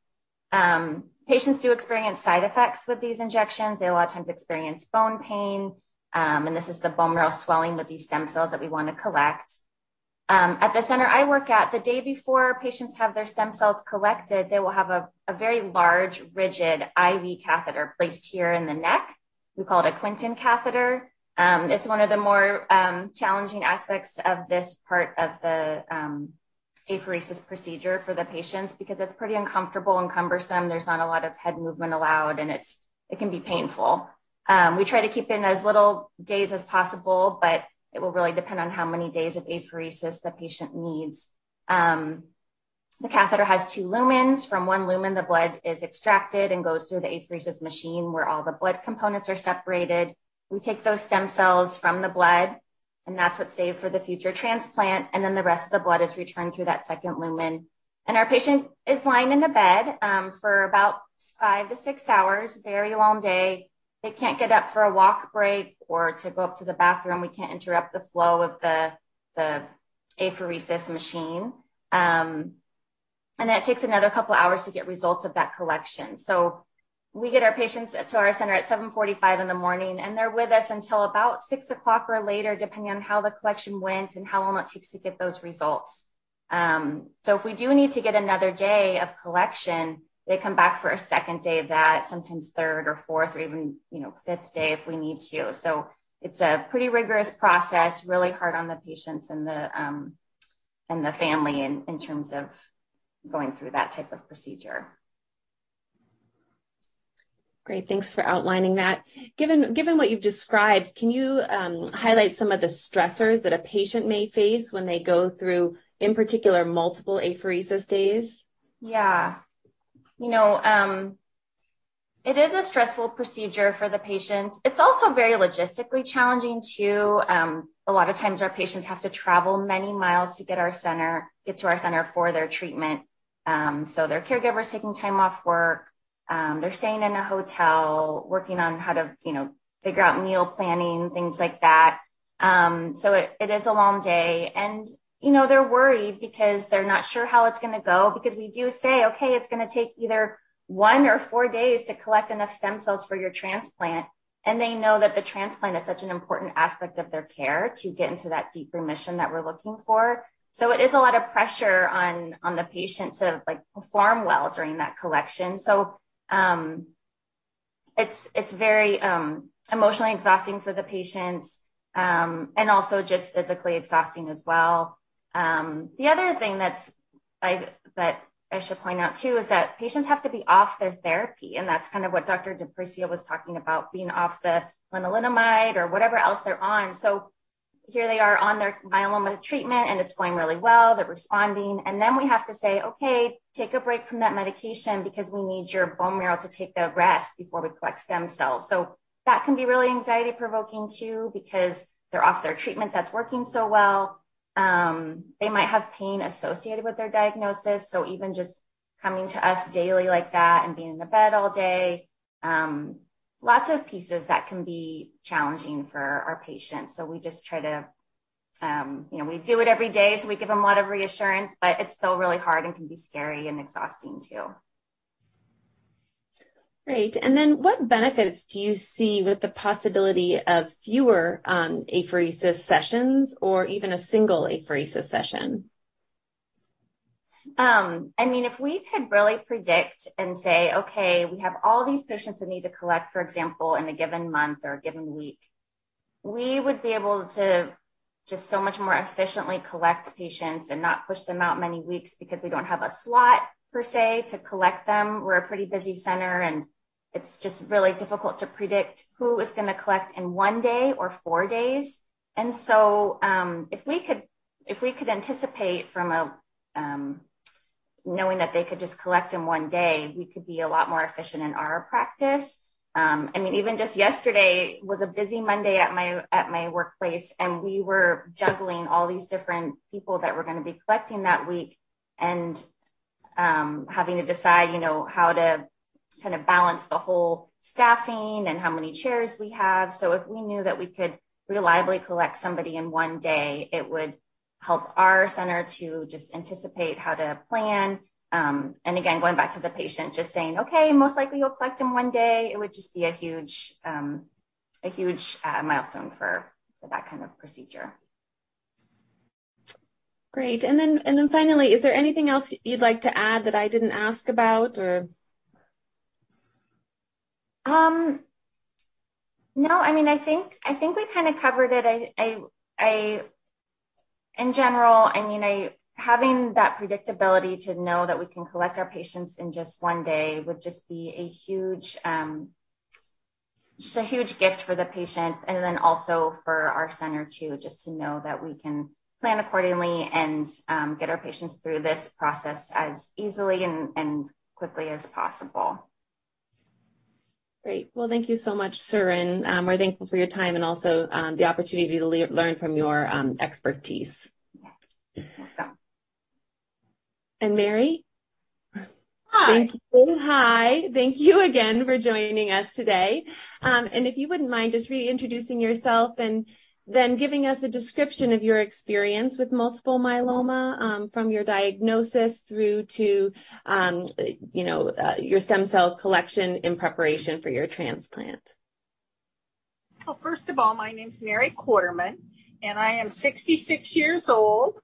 Patients do experience side effects with these injections. They a lot of times experience bone pain, and this is the bone marrow swelling with these stem cells that we want to collect. At the center I work at, the day before patients have their stem cells collected, they will have a very large, rigid IV catheter placed here in the neck. We call it a Quinton catheter. It's one of the more challenging aspects of this part of the apheresis procedure for the patients because it's pretty uncomfortable and cumbersome. There's not a lot of head movement allowed, and it can be painful. We try to keep in as little days as possible, but it will really depend on how many days of apheresis the patient needs. The catheter has two lumens. From one lumen, the blood is extracted and goes through the apheresis machine where all the blood components are separated. We take those stem cells from the blood, and that's what's saved for the future transplant, and then the rest of the blood is returned through that second lumen. Our patient is lying in the bed for about 5-6 hours, very long day. They can't get up for a walk break or to go up to the bathroom. We can't interrupt the flow of the apheresis machine. That takes another couple of hours to get results of that collection. We get our patients to our center at 7:45 A.M., and they're with us until about 6:00 P.M. or later, depending on how the collection went and how long it takes to get those results. If we do need to get another day of collection, they come back for a second day of that, sometimes third or fourth or even, you know, fifth day if we need to. It's a pretty rigorous process, really hard on the patients and the family in terms of going through that type of procedure. Great. Thanks for outlining that. Given what you've described, can you highlight some of the stressors that a patient may face when they go through, in particular, multiple apheresis days? Yeah. You know, it is a stressful procedure for the patients. It's also very logistically challenging, too. A lot of times our patients have to travel many miles to get to our center for their treatment. So their caregiver is taking time off work, they're staying in a hotel, working on how to, you know, figure out meal planning, things like that. So it is a long day and, you know, they're worried because they're not sure how it's gonna go, because we do say, "Okay, it's gonna take either 1 or 4 days to collect enough stem cells for your transplant," and they know that the transplant is such an important aspect of their care to get into that deep remission that we're looking for. It is a lot of pressure on the patients to, like, perform well during that collection. It's very emotionally exhausting for the patients, and also just physically exhausting as well. The other thing that I should point out, too, is that patients have to be off their therapy, and that's kind of what Dr. DiPersio was talking about being off the lenalidomide or whatever else they're on. Here they are on their myeloma treatment, and it's going really well, they're responding, and then we have to say, "Okay, take a break from that medication because we need your bone marrow to take a rest before we collect stem cells." That can be really anxiety-provoking, too, because they're off their treatment that's working so well, they might have pain associated with their diagnosis, so even just coming to us daily like that and being in a bed all day, lots of pieces that can be challenging for our patients. We just try to, you know, we do it every day, so we give them a lot of reassurance, but it's still really hard and can be scary and exhausting, too. Great. What benefits do you see with the possibility of fewer apheresis sessions or even a single apheresis session? I mean, if we could really predict and say, "Okay, we have all these patients that need to collect, for example, in a given month or a given week," we would be able to just so much more efficiently collect patients and not push them out many weeks because we don't have a slot per se to collect them. We're a pretty busy center, and it's just really difficult to predict who is gonna collect in one day or four days. If we could anticipate from knowing that they could just collect in one day, we could be a lot more efficient in our practice. I mean, even just yesterday was a busy Monday at my workplace, and we were juggling all these different people that were gonna be collecting that week and having to decide, you know, how to kind of balance the whole staffing and how many chairs we have. If we knew that we could reliably collect somebody in one day, it would help our center to just anticipate how to plan. And again, going back to the patient, just saying, "Okay, most likely you'll collect in one day," it would just be a huge milestone for that kind of procedure. Great. Finally, is there anything else you'd like to add that I didn't ask about or? No. I mean, I think we kinda covered it. In general, I mean, having that predictability to know that we can collect our patients in just one day would just be a huge, just a huge gift for the patients and then also for our center, too, just to know that we can plan accordingly and, get our patients through this process as easily and quickly as possible. Great. Well, thank you so much, Shirin. We're thankful for your time and also the opportunity to learn from your expertise. Yeah. Welcome. Mary? Hi. Thank you. Hi. Thank you again for joining us today. If you wouldn't mind just reintroducing yourself and then giving us a description of your experience with multiple myeloma, from your diagnosis through to, you know, your stem cell collection in preparation for your transplant. Well, first of all, my name is Mary Quarterman, and I am 66 years old.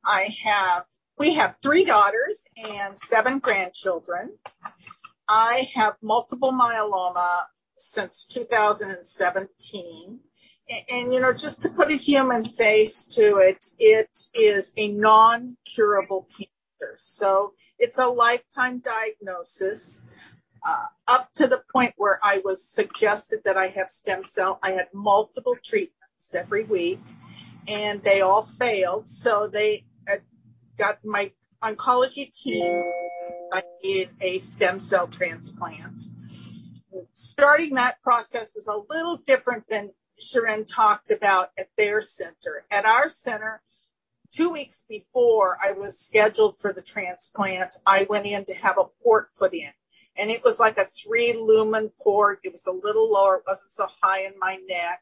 We have three daughters and seven grandchildren. I have multiple myeloma since 2017. You know, just to put a human face to it is a non-curable cancer, so it's a lifetime diagnosis. Up to the point where I was suggested that I have stem cell, I had multiple treatments every week, and they all failed, so I got my oncology team I need a stem cell transplant. Starting that process was a little different than Shirin talked about at their center. At our center, two weeks before I was scheduled for the transplant, I went in to have a port put in, and it was like a three lumen port. It was a little lower, it wasn't so high in my neck.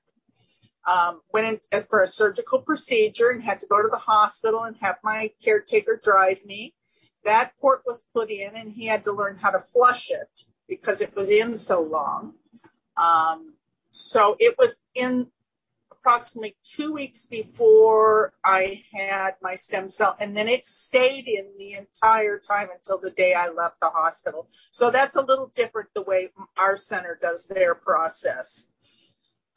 Went in for a surgical procedure and had to go to the hospital and have my caretaker drive me. That port was put in, and he had to learn how to flush it because it was in so long. It was in approximately two weeks before I had my stem cell, and then it stayed in the entire time until the day I left the hospital. That's a little different the way our center does their process.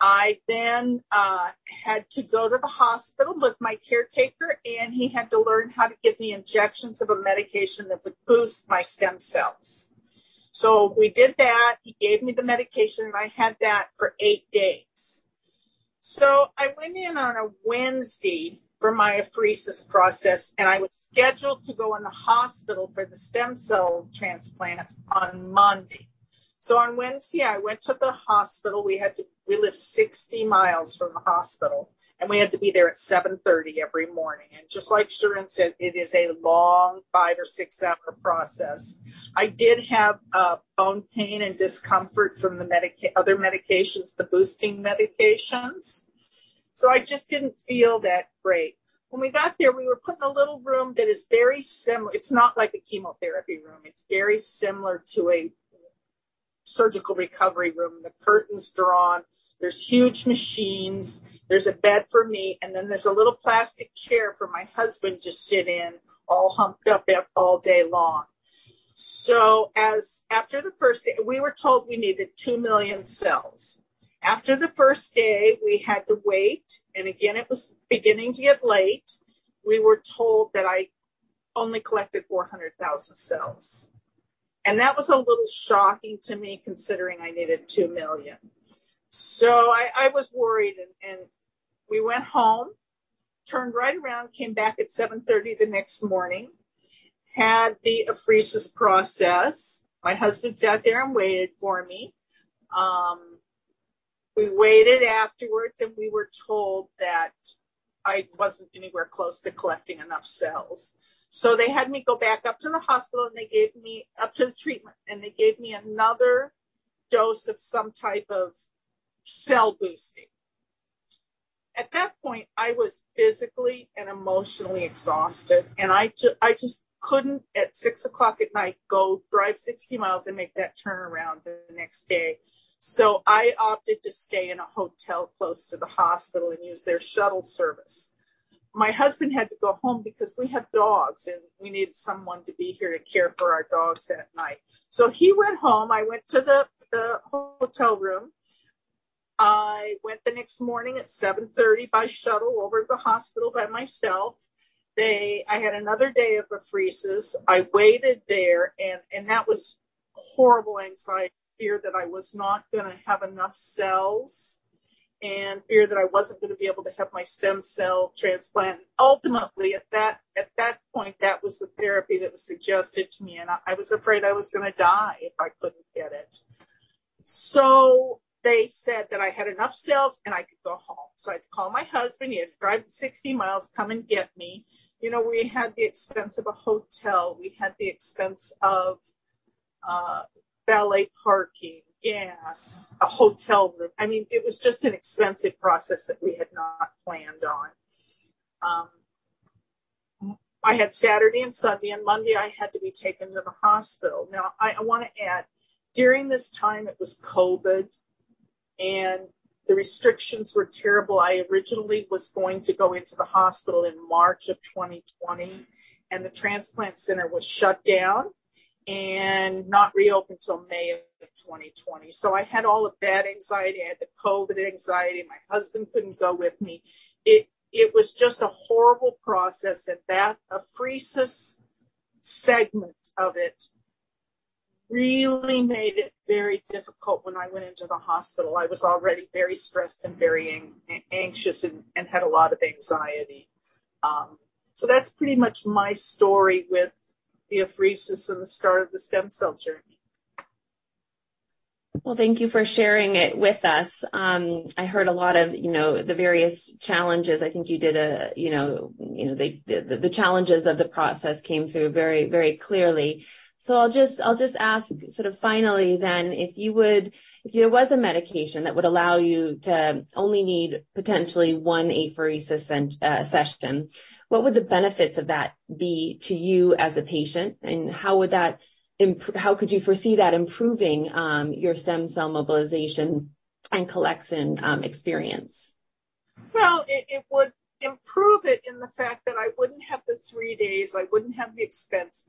I then had to go to the hospital with my caretaker, and he had to learn how to give me injections of a medication that would boost my stem cells. We did that. He gave me the medication, and I had that for 8 days. I went in on a Wednesday for my apheresis process, and I was scheduled to go in the hospital for the stem cell transplant on Monday. On Wednesday, I went to the hospital. We live 60 miles from the hospital, and we had to be there at 7:30 A.M. every morning. Just like Shirin Bosavan Chen said, it is a long 5- or 6-hour process. I did have bone pain and discomfort from the other medications, the boosting medications. I just didn't feel that great. When we got there, we were put in a little room that is very similar. It's not like a chemotherapy room. It's very similar to a surgical recovery room. The curtain's drawn, there's huge machines, there's a bed for me, and then there's a little plastic chair for my husband to sit in all humped up all day long. After the first day, we were told we needed 2 million cells. After the first day, we had to wait, and again, it was beginning to get late. We were told that I only collected 400,000 cells. That was a little shocking to me, considering I needed 2 million. I was worried. We went home, turned right around, came back at 7:30 A.M. the next morning, had the apheresis process. My husband sat there and waited for me. We waited afterwards, and we were told that I wasn't anywhere close to collecting enough cells. They had me go back up to the hospital, and they gave me up to the treatment, and they gave me another dose of some type of cell boosting. At that point, I was physically and emotionally exhausted, and I just couldn't at 6:00 P.M., go drive 60 miles and make that turnaround the next day. I opted to stay in a hotel close to the hospital and use their shuttle service. My husband had to go home because we have dogs, and we needed someone to be here to care for our dogs that night. He went home. I went to the hotel room. I went the next morning at 7:30 A.M. by shuttle over to the hospital by myself. I had another day of apheresis. I waited there and that was horrible anxiety, fear that I was not gonna have enough cells and fear that I wasn't gonna be able to have my stem cell transplant. Ultimately, at that point, that was the therapy that was suggested to me, and I was afraid I was gonna die if I couldn't get it. They said that I had enough cells and I could go home. I had to call my husband. He had to drive 60 miles, come and get me. You know, we had the expense of a hotel. We had the expense of valet parking, gas, a hotel room. I mean, it was just an expensive process that we had not planned on. I had Saturday and Sunday and Monday I had to be taken to the hospital. Now, I wanna add, during this time it was COVID, and the restrictions were terrible. I originally was going to go into the hospital in March of 2020, and the transplant center was shut down and not reopened till May of 2020. I had all of that anxiety. I had the COVID anxiety. My husband couldn't go with me. It was just a horrible process and that apheresis segment of it really made it very difficult when I went into the hospital. I was already very stressed and very anxious and had a lot of anxiety. That's pretty much my story with the apheresis and the start of the stem cell journey. Well, thank you for sharing it with us. I heard a lot of, you know, the various challenges. I think you did, you know, the challenges of the process came through very, very clearly. I'll just ask sort of finally then, if you would, if there was a medication that would allow you to only need potentially one apheresis session, what would the benefits of that be to you as a patient, and how could you foresee that improving your stem cell mobilization and collection experience? Well, it would improve it in the fact that I wouldn't have the three days, I wouldn't have the expense.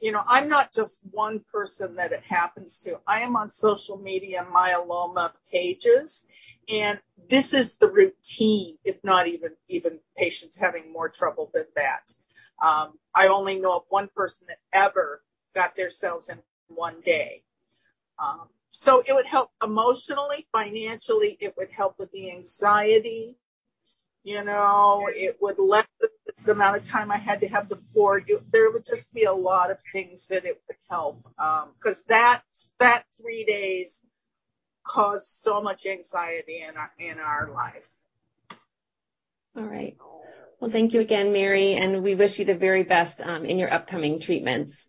You know, I'm not just one person that it happens to. I am on social media myeloma pages, and this is the routine, if not even patients having more trouble than that. I only know of one person that ever got their cells in one day. It would help emotionally, financially, it would help with the anxiety. You know, it would lessen the amount of time. There would just be a lot of things that it would help, 'cause that three days caused so much anxiety in our life. All right. Well, thank you again, Mary, and we wish you the very best in your upcoming treatments.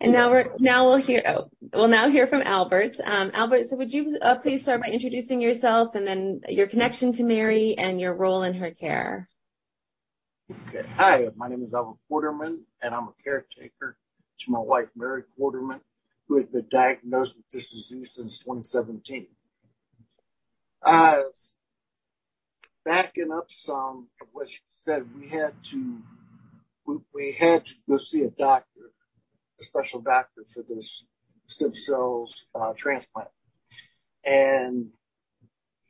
Now we'll hear from Albert. Albert, would you please start by introducing yourself and then your connection to Mary and your role in her care? Okay. Hi, my name is Albert Quarterman, and I'm a caretaker to my wife, Mary Quarterman, who had been diagnosed with this disease since 2017. Backing up some of what she said, we had to go see a doctor, a special doctor for this stem cells transplant.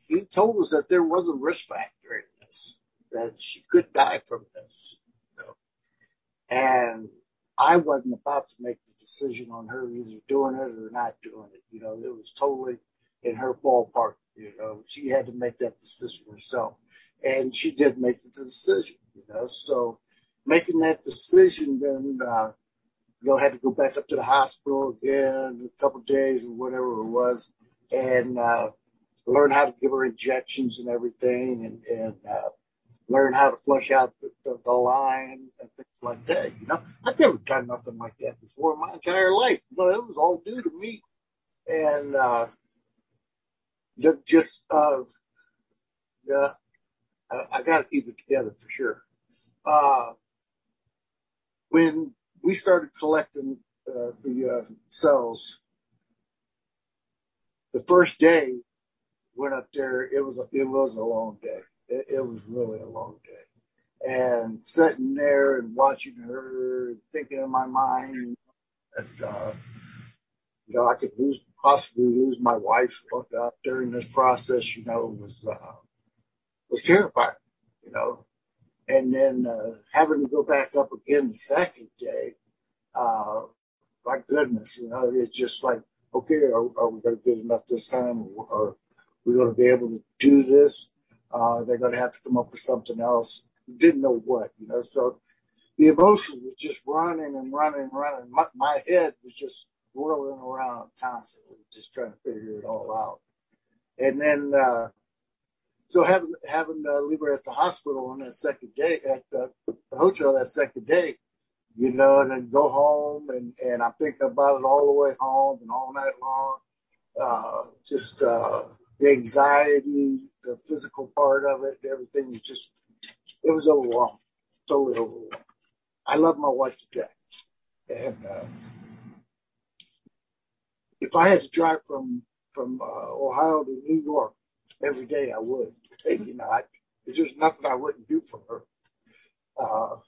He told us that there was a risk factor in this, that she could die from this. I wasn't about to make the decision on her either doing it or not doing it, you know. It was totally in her ballpark, you know. She had to make that decision herself, and she did make the decision, you know. Making that decision, had to go back up to the hospital again a couple days or whatever it was, and learn how to give her injections and everything and learn how to flush out the line and things like that, you know. I never done nothing like that before in my entire life, but it was all new to me. I gotta keep it together for sure. When we started collecting the cells, the first day went up there, it was a long day. It was really a long day. Sitting there and watching her and thinking in my mind that, you know, I could possibly lose my wife during this process, you know, it was terrifying, you know. Having to go back up again the second day, my goodness, you know, it's just like, okay, are we gonna get enough this time, or are we gonna be able to do this? Are they gonna have to come up with something else? We didn't know what, you know. The emotions was just running and running and running. My head was just whirling around constantly just trying to figure it all out. Having to leave her at the hospital on that second day, at the hotel that second day, you know, and then go home and I'm thinking about it all the way home and all night long, just the anxiety, the physical part of it, everything was just, it was overwhelming. Totally overwhelming. I love my wife to death. If I had to drive from Ohio to New York every day, I would to take her, you know. There's just nothing I wouldn't do for her. On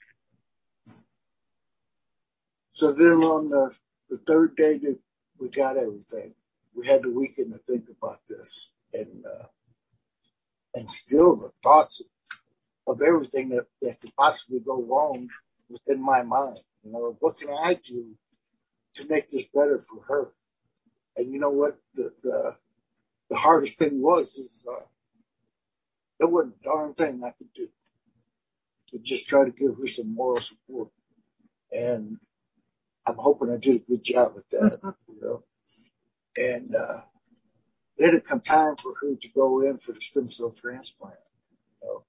the third day that we got everything, we had the weekend to think about this. Still the thoughts of everything that could possibly go wrong was in my mind. You know, what can I do to make this better for her? You know what? The hardest thing is there wasn't a darn thing I could do but just try to give her some moral support. I'm hoping I did a good job with that, you know. It come time for her to go in for the stem cell transplant, you know.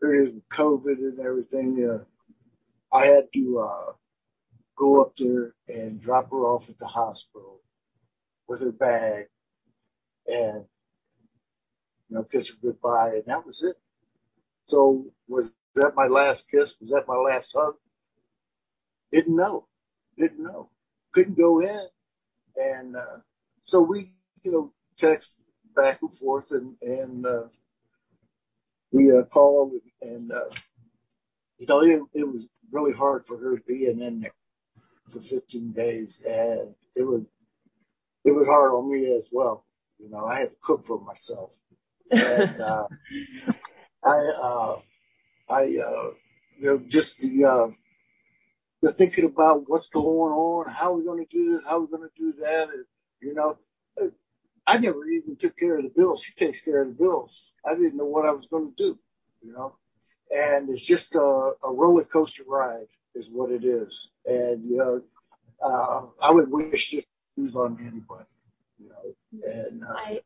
During COVID and everything, I had to go up there and drop her off at the hospital with her bag and, you know, kiss her goodbye, and that was it. Was that my last kiss? Was that my last hug? Didn't know. Couldn't go in. We, you know, text back and forth and we called and, you know, it was really hard for her being in there for 16 days, and it was hard on me as well. You know, I had to cook for myself. I, you know, just the thinking about what's going on, how are we gonna do this, how are we gonna do that, and, you know. I never even took care of the bills. She takes care of the bills. I didn't know what I was gonna do, you know. It's just a roller coaster ride is what it is. You know, I would wish this disease on anybody, you know.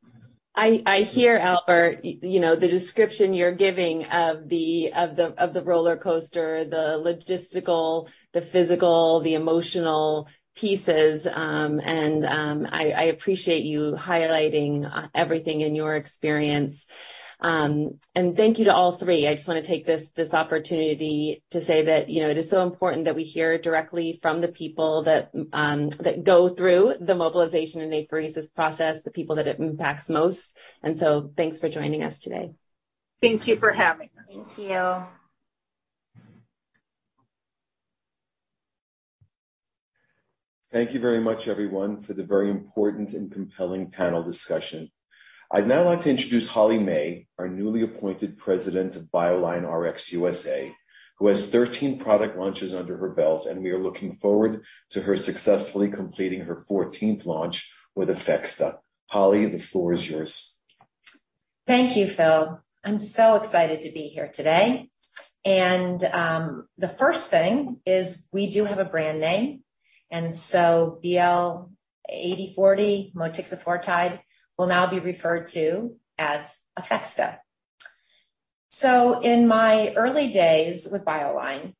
I hear, Albert, you know, the description you're giving of the roller coaster, the logistical, the physical, the emotional pieces. I appreciate you highlighting everything in your experience. Thank you to all three. I just wanna take this opportunity to say that, you know, it is so important that we hear directly from the people that go through the mobilization and apheresis process, the people that it impacts most. Thanks for joining us today. Thank you for having us. Thank you. Thank you very much, everyone, for the very important and compelling panel discussion. I'd now like to introduce Holly May, our newly appointed President of BioLineRx USA, who has 13 product launches under her belt, and we are looking forward to her successfully completing her 14th launch with APHEXDA. Holly, the floor is yours. Thank you, Phil. I'm so excited to be here today. The first thing is we do have a brand name, and so BL-8040 motixafortide will now be referred to as APHEXDA. In my early days with BioLineRx,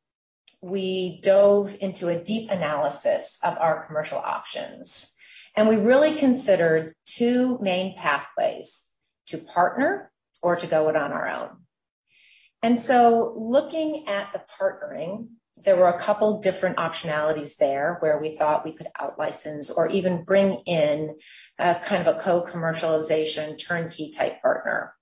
we dove into a deep analysis of our commercial options, and we really considered two main pathways, to partner or to go it on our own. Looking at the partnering, there were a couple different optionalities there where we thought we could out-license or even bring in a kind of a co-commercialization turnkey type partner.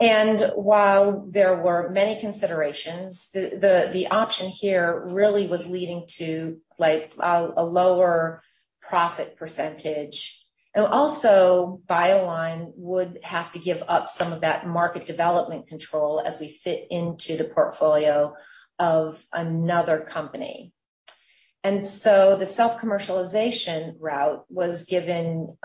While there were many considerations, the option here really was leading to, like, a lower profit percentage. Also, BioLineRx would have to give up some of that market development control as we fit into the portfolio of another company. The self-commercialization route was given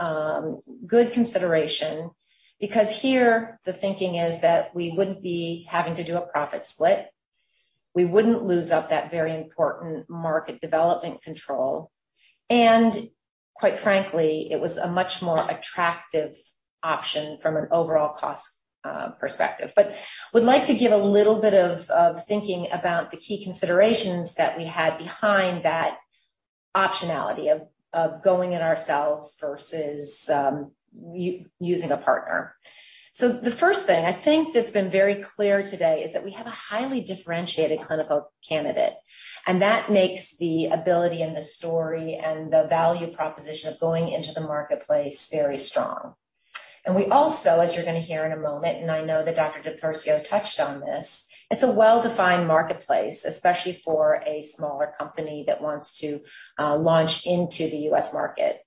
good consideration because here the thinking is that we wouldn't be having to do a profit split. We wouldn't lose out that very important market development control. Quite frankly, it was a much more attractive option from an overall cost perspective. Would like to give a little bit of thinking about the key considerations that we had behind that optionality of going it ourselves versus using a partner. The first thing I think that's been very clear today is that we have a highly differentiated clinical candidate, and that makes the ability and the story and the value proposition of going into the marketplace very strong. We also, as you're gonna hear in a moment, and I know that Dr. DiPersio touched on this. It's a well-defined marketplace, especially for a smaller company that wants to launch into the U.S. market.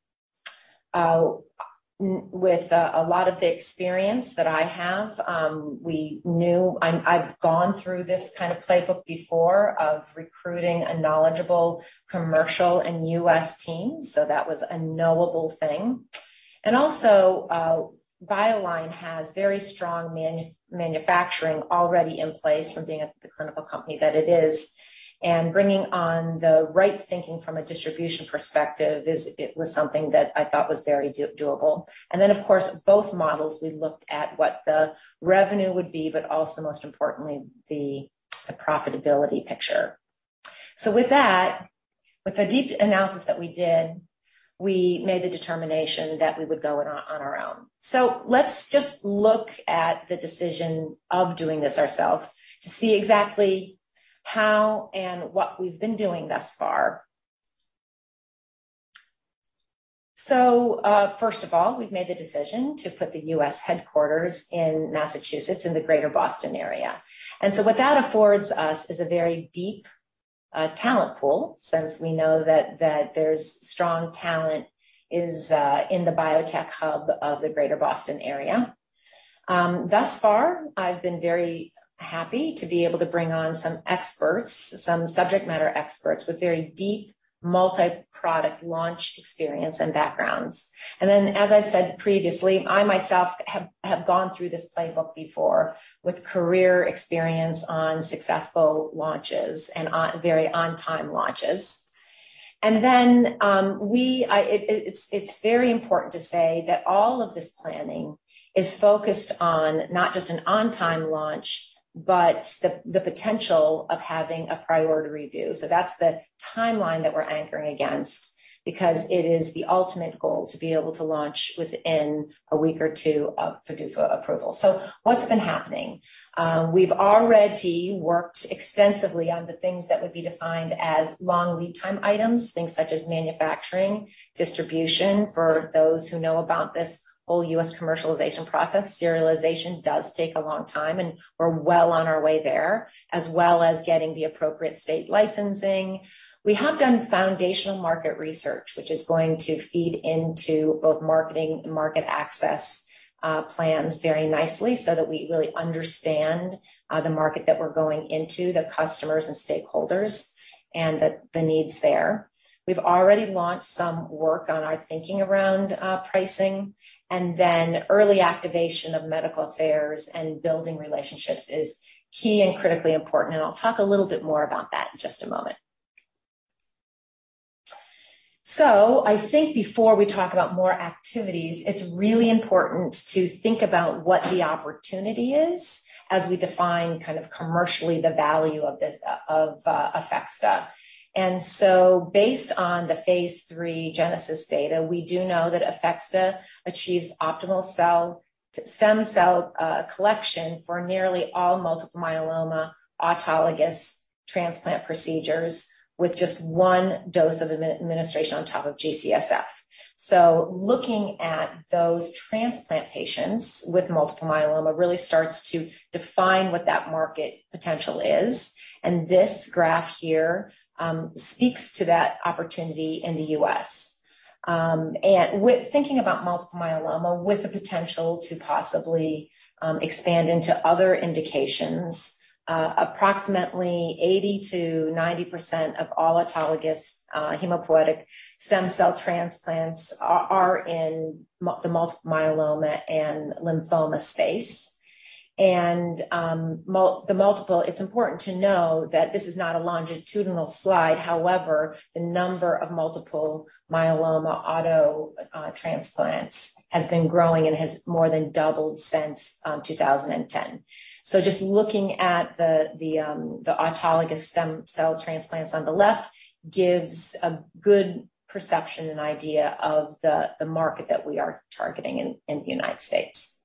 With a lot of the experience that I have, we knew. I've gone through this kind of playbook before of recruiting a knowledgeable commercial and U.S. team, so that was a knowable thing. Also, BioLineRx has very strong manufacturing already in place from being the clinical company that it is. Bringing on the right thinking from a distribution perspective, it was something that I thought was very doable. Of course, both models, we looked at what the revenue would be, but also most importantly, the profitability picture. With that, with the deep analysis that we did, we made the determination that we would go it alone. Let's just look at the decision of doing this ourselves to see exactly how and what we've been doing thus far. First of all, we've made the decision to put the U.S. headquarters in Massachusetts in the Greater Boston area. What that affords us is a very deep talent pool since we know that there's strong talent in the biotech hub of the Greater Boston area. Thus far, I've been very happy to be able to bring on some experts, some subject matter experts with very deep multi-product launch experience and backgrounds. As I said previously, I myself have gone through this playbook before with career experience on successful launches and very on-time launches. We it's very important to say that all of this planning is focused on not just an on-time launch, but the potential of having a priority review. That's the timeline that we're anchoring against because it is the ultimate goal to be able to launch within a week or two of PDUFA approval. What's been happening? We've already worked extensively on the things that would be defined as long lead time items, things such as manufacturing, distribution. For those who know about this whole U.S. commercialization process, serialization does take a long time, and we're well on our way there, as well as getting the appropriate state licensing. We have done foundational market research, which is going to feed into both marketing and market access plans very nicely, so that we really understand the market that we're going into, the customers and stakeholders and the needs there. We've already launched some work on our thinking around pricing, and then early activation of medical affairs and building relationships is key and critically important, and I'll talk a little bit more about that in just a moment. I think before we talk about more activities, it's really important to think about what the opportunity is as we define kind of commercially the value of this APHEXDA. Based on the Phase 3 GENESIS data, we do know that APHEXDA achieves optimal stem cell collection for nearly all multiple myeloma autologous transplant procedures with just one dose of administration on top of G-CSF. Looking at those transplant patients with multiple myeloma really starts to define what that market potential is. This graph here speaks to that opportunity in the US. With thinking about multiple myeloma, with the potential to possibly expand into other indications, approximately 80%-90% of all autologous hematopoietic stem cell transplants are in the multiple myeloma and lymphoma space. It's important to know that this is not a longitudinal slide. However, the number of multiple myeloma autologous transplants has been growing and has more than doubled since 2010. Just looking at the autologous stem cell transplants on the left gives a good perception and idea of the market that we are targeting in the United States.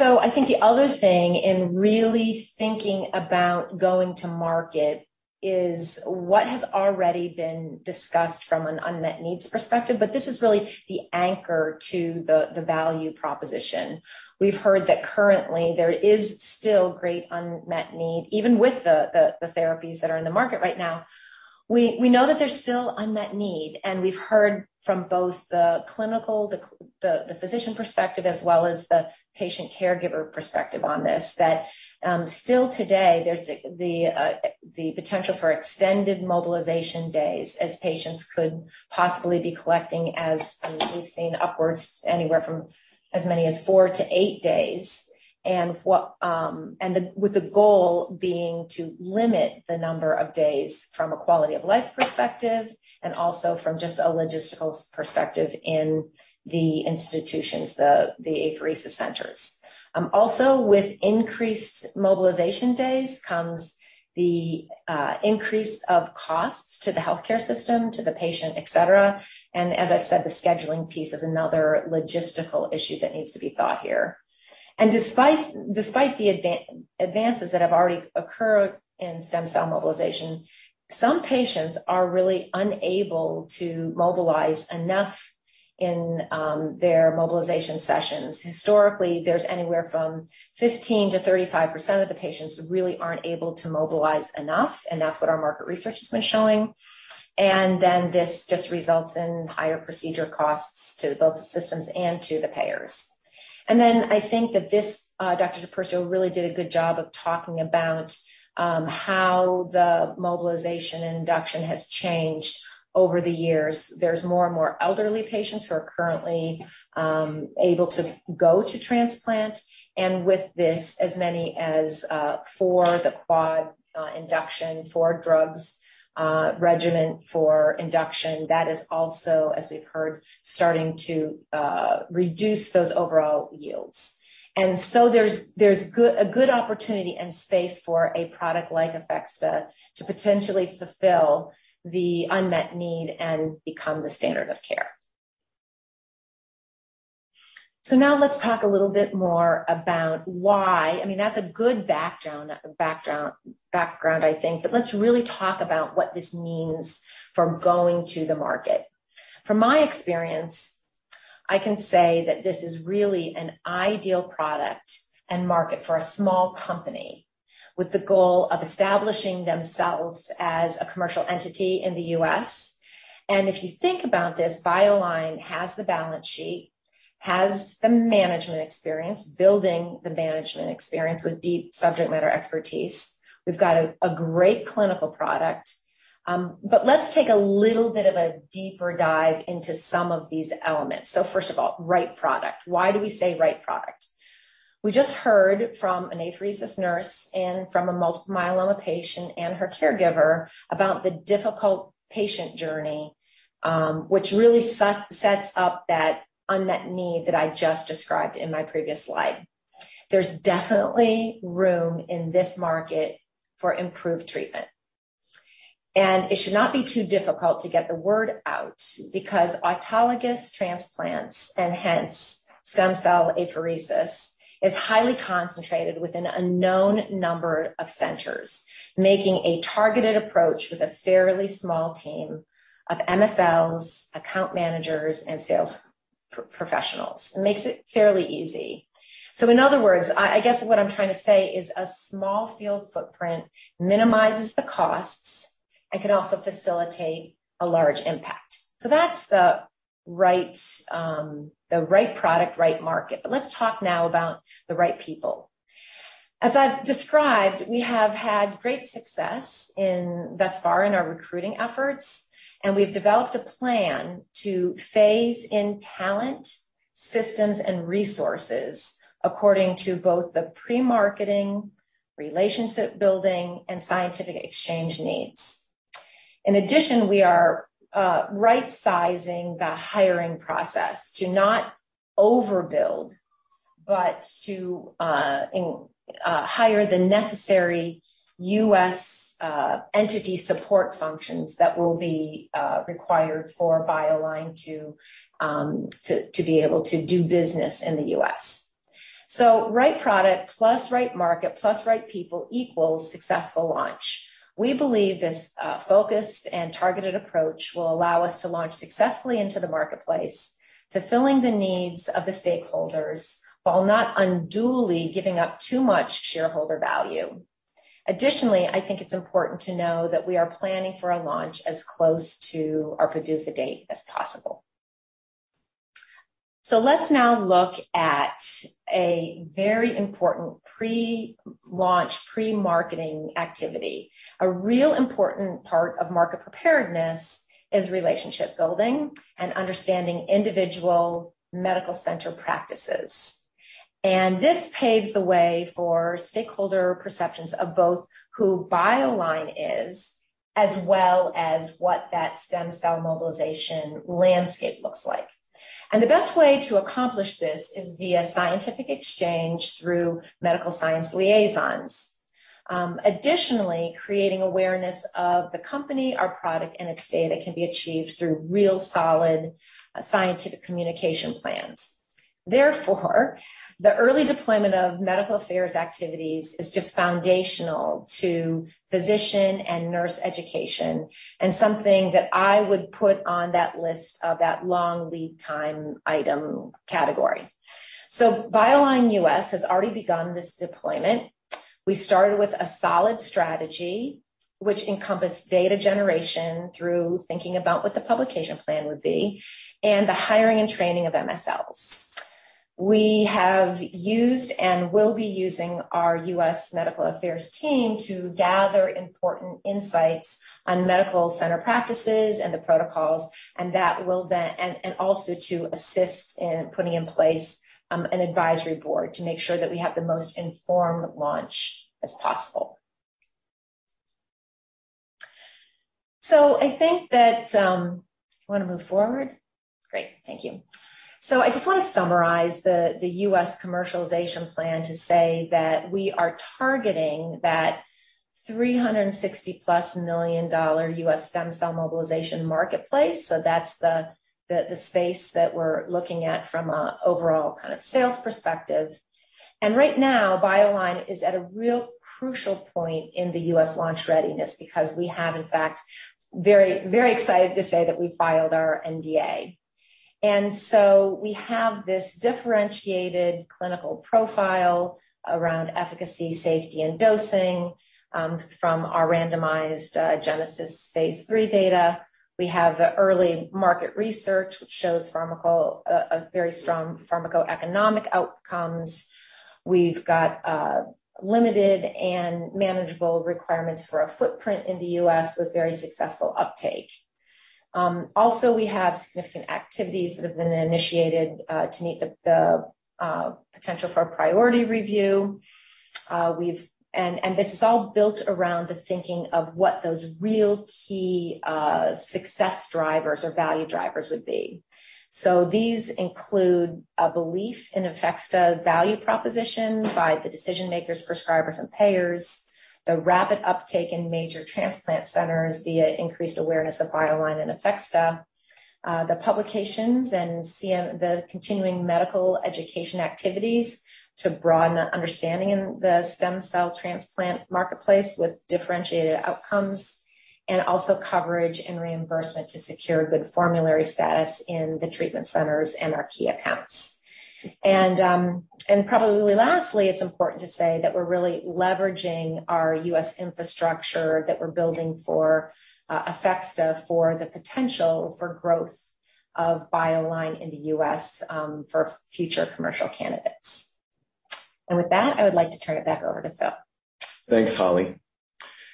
I think the other thing in really thinking about going to market is what has already been discussed from an unmet needs perspective, but this is really the anchor to the value proposition. We've heard that currently there is still great unmet need, even with the therapies that are in the market right now. We know that there's still unmet need, and we've heard from both the clinical, the physician perspective as well as the patient caregiver perspective on this, that still today there's the potential for extended mobilization days as patients could possibly be collecting, as we've seen upwards anywhere from as many as 4-8 days. With the goal being to limit the number of days from a quality of life perspective and also from just a logistical perspective in the institutions, the apheresis centers. Also with increased mobilization days comes the increase of costs to the healthcare system, to the patient, et cetera. As I said, the scheduling piece is another logistical issue that needs to be thought here. Despite the advances that have already occurred in stem cell mobilization, some patients are really unable to mobilize enough in their mobilization sessions. Historically, there's anywhere from 15%-35% of the patients who really aren't able to mobilize enough, and that's what our market research has been showing. This just results in higher procedure costs to both the systems and to the payers. I think that this, Dr. DiPersio really did a good job of talking about how the mobilization and induction has changed over the years. There's more and more elderly patients who are currently able to go to transplant, and with this, as many as for the quad induction, four drugs regimen for induction, that is also, as we've heard, starting to reduce those overall yields. There's good opportunity and space for a product like APHEXDA to potentially fulfill the unmet need and become the standard of care. Now let's talk a little bit more about why I mean, that's a good background, I think, but let's really talk about what this means for going to the market. From my experience, I can say that this is really an ideal product and market for a small company with the goal of establishing themselves as a commercial entity in the US. If you think about this, BioLineRx has the balance sheet, has the management experience, building the management experience with deep subject matter expertise. We've got a great clinical product. Let's take a little bit of a deeper dive into some of these elements. First of all, right product. Why do we say right product? We just heard from an apheresis nurse and from a multiple myeloma patient and her caregiver about the difficult patient journey, which really sets up that unmet need that I just described in my previous slide. There's definitely room in this market for improved treatment. It should not be too difficult to get the word out because autologous transplants, and hence stem cell apheresis, is highly concentrated with an unknown number of centers, making a targeted approach with a fairly small team of MSLs, account managers, and sales professionals. It makes it fairly easy. In other words, I guess what I'm trying to say is a small field footprint minimizes the costs and can also facilitate a large impact. That's the right product, right market. Let's talk now about the right people. As I've described, we have had great success in Vespera in our recruiting efforts, and we've developed a plan to phase in talent, systems, and resources according to both the pre-marketing, relationship building, and scientific exchange needs. In addition, we are right-sizing the hiring process to not overbuild, but to hire the necessary U.S. entity support functions that will be required for BioLineRx to be able to do business in the U.S. Right product plus right market plus right people equals successful launch. We believe this focused and targeted approach will allow us to launch successfully into the marketplace, fulfilling the needs of the stakeholders while not unduly giving up too much shareholder value. Additionally, I think it's important to know that we are planning for a launch as close to our PDUFA date as possible. Let's now look at a very important pre-launch, pre-marketing activity. A real important part of market preparedness is relationship building and understanding individual medical center practices. This paves the way for stakeholder perceptions of both who BioLineRx is, as well as what that stem cell mobilization landscape looks like. The best way to accomplish this is via scientific exchange through medical science liaisons. Additionally, creating awareness of the company, our product, and its data can be achieved through real solid scientific communication plans. Therefore, the early deployment of medical affairs activities is just foundational to physician and nurse education and something that I would put on that list of that long lead time item category. BioLineRx USA has already begun this deployment. We started with a solid strategy which encompassed data generation through thinking about what the publication plan would be and the hiring and training of MSLs. We have used and will be using our U.S. medical affairs team to gather important insights on medical center practices and the protocols, and also to assist in putting in place, an advisory board to make sure that we have the most informed launch as possible. I think that. You wanna move forward? Great. Thank you. I just wanna summarize the U.S. commercialization plan to say that we are targeting that $360+ million US stem cell mobilization marketplace. That's the space that we're looking at from a overall kind of sales perspective. Right now, BioLineRx is at a real crucial point in the US launch readiness because we have in fact very excited to say that we filed our NDA. We have this differentiated clinical profile around efficacy, safety and dosing from our randomized Genesis Phase 3 data. We have the early market research which shows a very strong pharmacoeconomic outcomes. We've got limited and manageable requirements for a footprint in the U.S. with very successful uptake. Also we have significant activities that have been initiated to meet the potential for a priority review. This is all built around the thinking of what those real key success drivers or value drivers would be. These include a belief in APHEXDA value proposition by the decision-makers, prescribers and payers, the rapid uptake in major transplant centers via increased awareness of BioLineRx and APHEXDA, the publications and CME, the continuing medical education activities to broaden the understanding in the stem cell transplant marketplace with differentiated outcomes, and also coverage and reimbursement to secure good formulary status in the treatment centers and our key accounts. Probably lastly, it's important to say that we're really leveraging our US infrastructure that we're building for APHEXDA for the potential for growth of BioLineRx in the U.S. for future commercial candidates. With that, I would like to turn it back over to Phil. Thanks, Holly.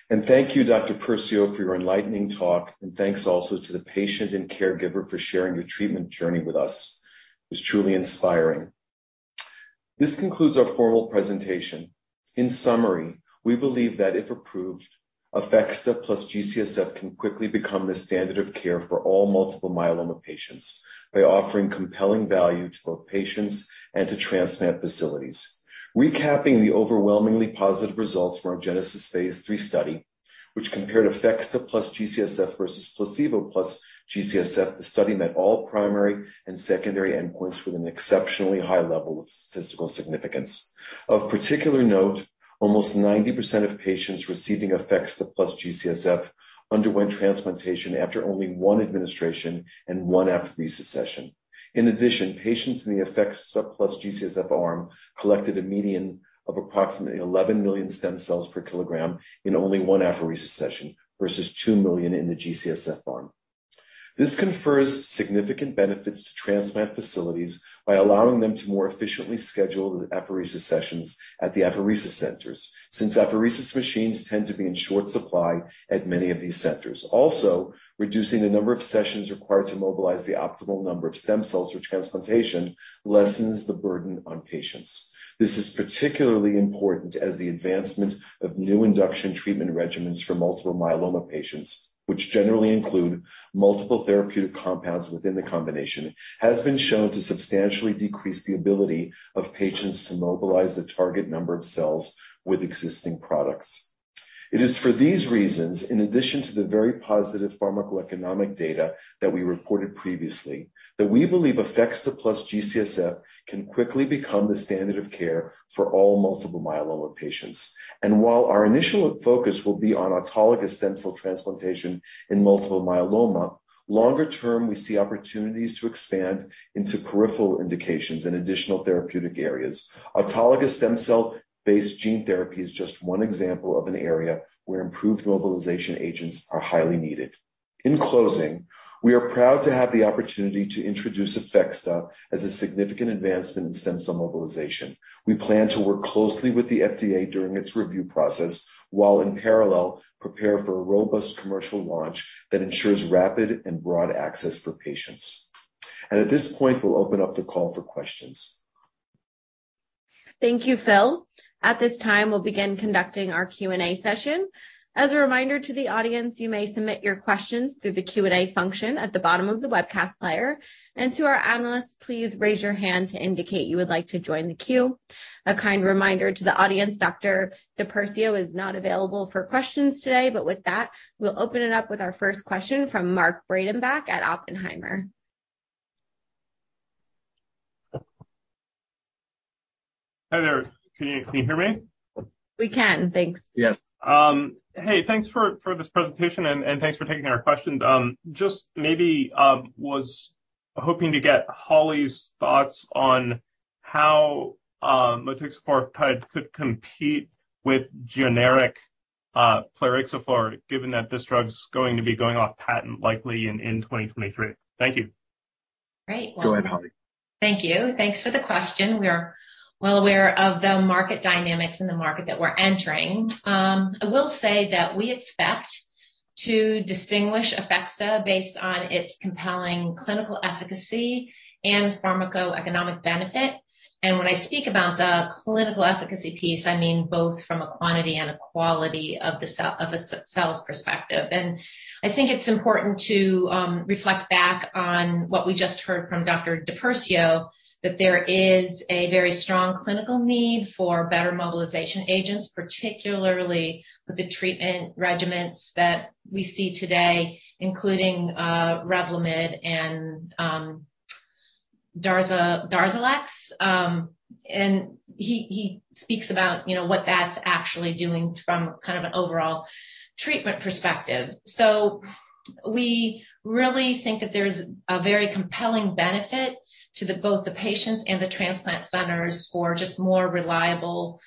Thank you, Dr. DiPersio, for your enlightening talk. Thanks also to the patient and caregiver for sharing your treatment journey with us. It was truly inspiring. This concludes our formal presentation. In summary, we believe that if approved, APHEXDA + G-CSF can quickly become the standard of care for all multiple myeloma patients by offering compelling value to both patients and to transplant facilities. Recapping the overwhelmingly positive results from our GENESIS Phase 3 study, which compared APHEXDA + G-CSF versus placebo plus G-CSF, the study met all primary and secondary endpoints with an exceptionally high level of statistical significance. Of particular note, almost 90% of patients receiving APHEXDA + G-CSF underwent transplantation after only one administration and one apheresis session. In addition, patients in the APHEXDA +G-CSF arm collected a median of approximately 11 million stem cells per kilogram in only one apheresis session versus 2 million in the G-CSF arm. This confers significant benefits to transplant facilities by allowing them to more efficiently schedule the apheresis sessions at the apheresis centers, since apheresis machines tend to be in short supply at many of these centers. Also, reducing the number of sessions required to mobilize the optimal number of stem cells for transplantation lessens the burden on patients. This is particularly important as the advancement of new induction treatment regimens for multiple myeloma patients, which generally include multiple therapeutic compounds within the combination, has been shown to substantially decrease the ability of patients to mobilize the target number of cells with existing products. It is for these reasons, in addition to the very positive pharmacoeconomic data that we reported previously, that we believe APHEXDA + G-CSF can quickly become the standard of care for all multiple myeloma patients. While our initial focus will be on autologous stem cell transplantation in multiple myeloma, longer term, we see opportunities to expand into peripheral indications in additional therapeutic areas. Autologous stem cell-based gene therapy is just one example of an area where improved mobilization agents are highly needed. In closing, we are proud to have the opportunity to introduce APHEXDA as a significant advancement in stem cell mobilization. We plan to work closely with the FDA during its review process, while in parallel prepare for a robust commercial launch that ensures rapid and broad access for patients. At this point, we'll open up the call for questions. Thank you, Phil. At this time, we'll begin conducting our Q&A session. As a reminder to the audience, you may submit your questions through the Q&A function at the bottom of the webcast player. To our analysts, please raise your hand to indicate you would like to join the queue. A kind reminder to the audience, Dr. DiPersio is not available for questions today. With that, we'll open it up with our first question from Mark Breidenbach at Oppenheimer. Hi there. Can you hear me? We can. Thanks. Yes. Hey, thanks for this presentation, and thanks for taking our question. Just maybe was hoping to get Holly's thoughts on how motixafortide could compete with generic plerixafor, given that this drug's going to be going off patent likely in 2023. Thank you. Great. Well Go ahead, Holly. Thank you. Thanks for the question. We're well aware of the market dynamics in the market that we're entering. I will say that we expect to distinguish APHEXDA based on its compelling clinical efficacy and pharmacoeconomic benefit. When I speak about the clinical efficacy piece, I mean both from a quantity and a quality of the cells perspective. I think it's important to reflect back on what we just heard from Dr. DiPersio, that there is a very strong clinical need for better mobilization agents, particularly with the treatment regimens that we see today, including Revlimid and Darzalex. He speaks about, you know, what that's actually doing from kind of an overall treatment perspective. We really think that there's a very compelling benefit to both the patients and the transplant centers for just more reliable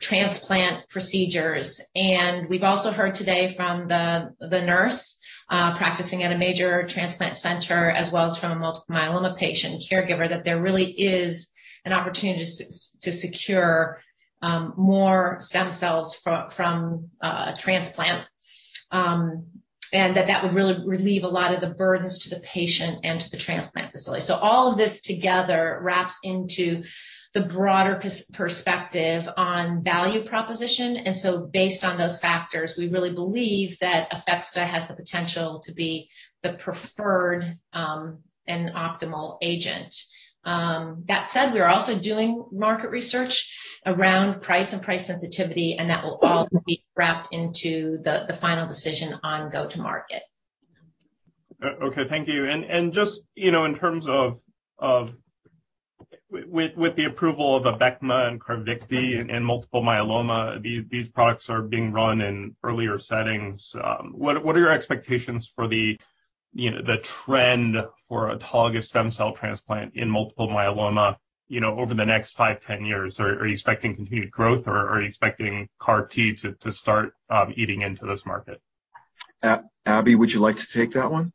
transplant procedures. We've also heard today from the nurse practicing at a major transplant center as well as from a multiple myeloma patient caregiver, that there really is an opportunity to secure more stem cells from transplant. That would really relieve a lot of the burdens to the patient and to the transplant facility. All of this together wraps into the broader perspective on value proposition. Based on those factors, we really believe that APHEXDA has the potential to be the preferred and optimal agent. That said, we are also doing market research around price and price sensitivity, and that will all be wrapped into the final decision on go-to-market. Okay. Thank you. Just, you know, in terms of with the approval of Abecma and Carvykti in multiple myeloma, these products are being run in earlier settings. What are your expectations for the, you know, the trend for autologous stem cell transplant in multiple myeloma, you know, over the next 5, 10 years? Are you expecting continued growth or are you expecting CAR T to start eating into this market? Abi, would you like to take that one?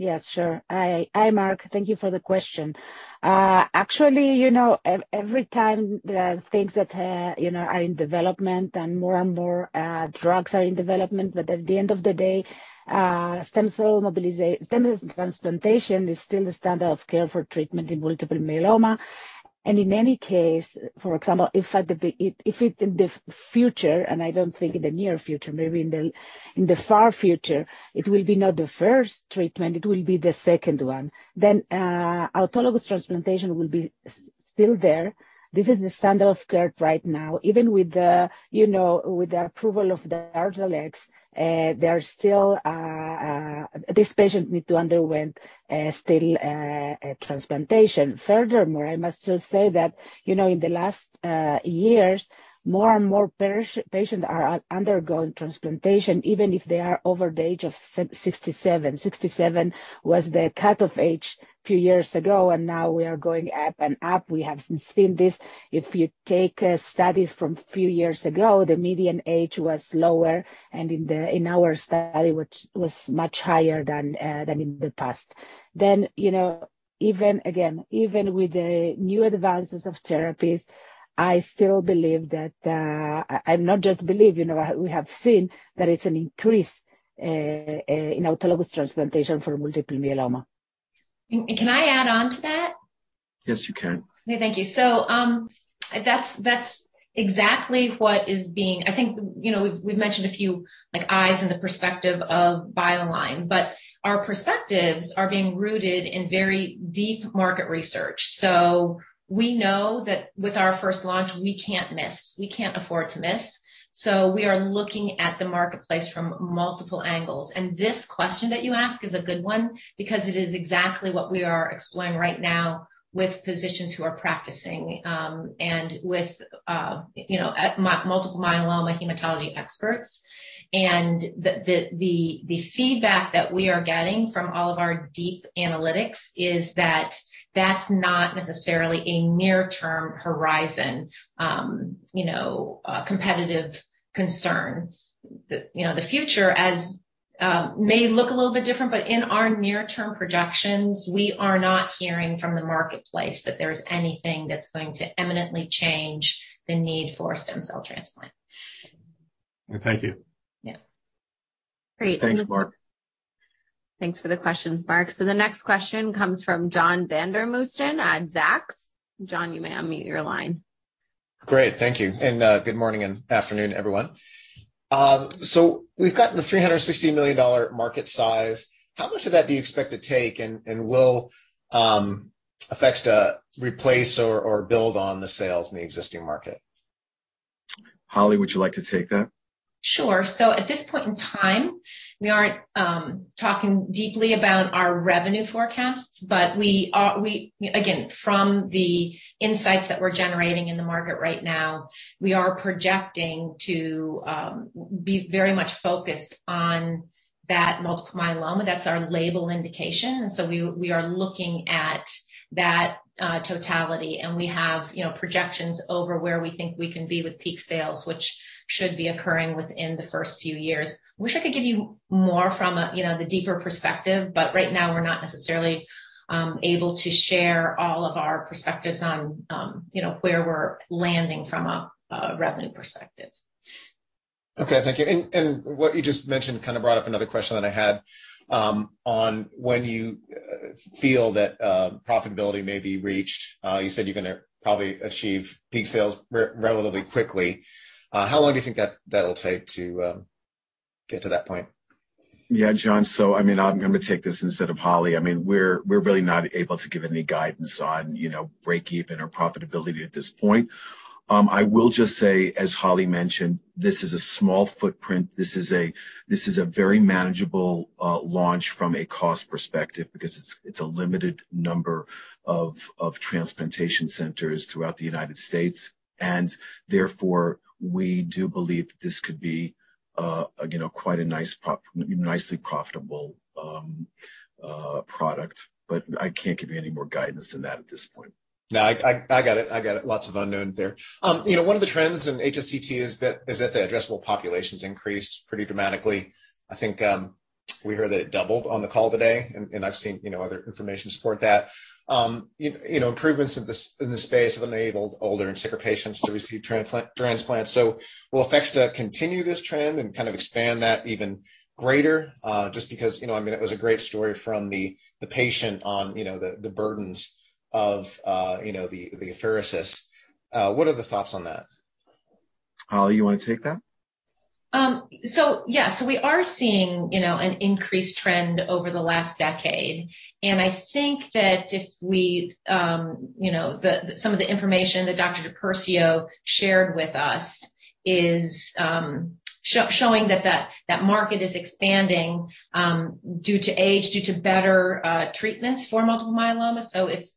Yes, sure. Hi. Hi, Mark. Thank you for the question. Actually, you know, every time there are things that, you know, are in development and more and more drugs are in development, but at the end of the day, stem cell transplantation is still the standard of care for treatment in multiple myeloma. In any case, for example, if in the future, and I don't think in the near future, maybe in the far future, it will be not the first treatment, it will be the second one, then autologous transplantation will still be there. This is the standard of care right now. Even with the, you know, with the approval of Darzalex, there are still this patient need to underwent still a transplantation. Furthermore, I must just say that, you know, in the last years, more and more elderly patients are undergoing transplantation, even if they are over the age of 67. 67 was the cutoff age a few years ago, and now we are going up and up. We have seen this. If you take studies from few years ago, the median age was lower, and in our study, which was much higher than in the past. You know, even with the new advances of therapies, I still believe that. I'm not just believe, you know, we have seen that it's an increase in autologous transplantation for multiple myeloma. Can I add on to that? Yes, you can. Okay. Thank you. That's exactly what is being. I think, you know, we've mentioned a few like eyes in the perspective of BioLineRx, but our perspectives are being rooted in very deep market research. We know that with our first launch, we can't miss. We can't afford to miss. We are looking at the marketplace from multiple angles. This question that you ask is a good one because it is exactly what we are exploring right now with physicians who are practicing, and with, you know, multiple myeloma hematology experts. The feedback that we are getting from all of our deep analytics is that that's not necessarily a near-term horizon, you know, competitive concern. You know, the future may look a little bit different, but in our near-term projections, we are not hearing from the marketplace that there's anything that's going to imminently change the need for stem cell transplant. Thank you. Yeah. Great. Thanks, Mark. Thanks for the questions, Mark. The next question comes from John Vandermosten at Zacks. John, you may unmute your line. Great. Thank you. Good morning and afternoon, everyone. We've got the $360 million market size. How much of that do you expect to take? Will APHEXDA replace or build on the sales in the existing market? Holly, would you like to take that? Sure. At this point in time, we aren't talking deeply about our revenue forecasts, but we are again, from the insights that we're generating in the market right now, we are projecting to be very much focused on that multiple myeloma. That's our label indication. We are looking at that totality, and we have, you know, projections over where we think we can be with peak sales, which should be occurring within the first few years. Wish I could give you more from a, you know, the deeper perspective, but right now we're not necessarily able to share all of our perspectives on, you know, where we're landing from a revenue perspective. Okay, thank you. What you just mentioned kind of brought up another question that I had on when you feel that profitability may be reached. You said you're gonna probably achieve peak sales relatively quickly. How long do you think that'll take to get to that point? Yeah, John. I mean, I'm gonna take this instead of Holly. I mean, we're really not able to give any guidance on, you know, breakeven or profitability at this point. I will just say, as Holly mentioned, this is a small footprint. This is a very manageable launch from a cost perspective because it's a limited number of transplantation centers throughout the United States. Therefore, we do believe that this could be, you know, quite a nice nicely profitable product. But I can't give you any more guidance than that at this point. No, I got it. Lots of unknown there. You know, one of the trends in HSCT is that the addressable population's increased pretty dramatically. I think, we heard that it doubled on the call today, and I've seen, you know, other information to support that. You know, improvements in the space have enabled older and sicker patients to receive transplants. Will APHEXDA continue this trend and kind of expand that even greater? Just because, you know, I mean, it was a great story from the patient on, you know, the burdens of the apheresis. What are the thoughts on that? Holly, you wanna take that? Yeah. We are seeing, you know, an increased trend over the last decade, and I think that if we, you know, some of the information that Dr. DiPersio shared with us is showing that that market is expanding due to age, due to better treatments for multiple myeloma.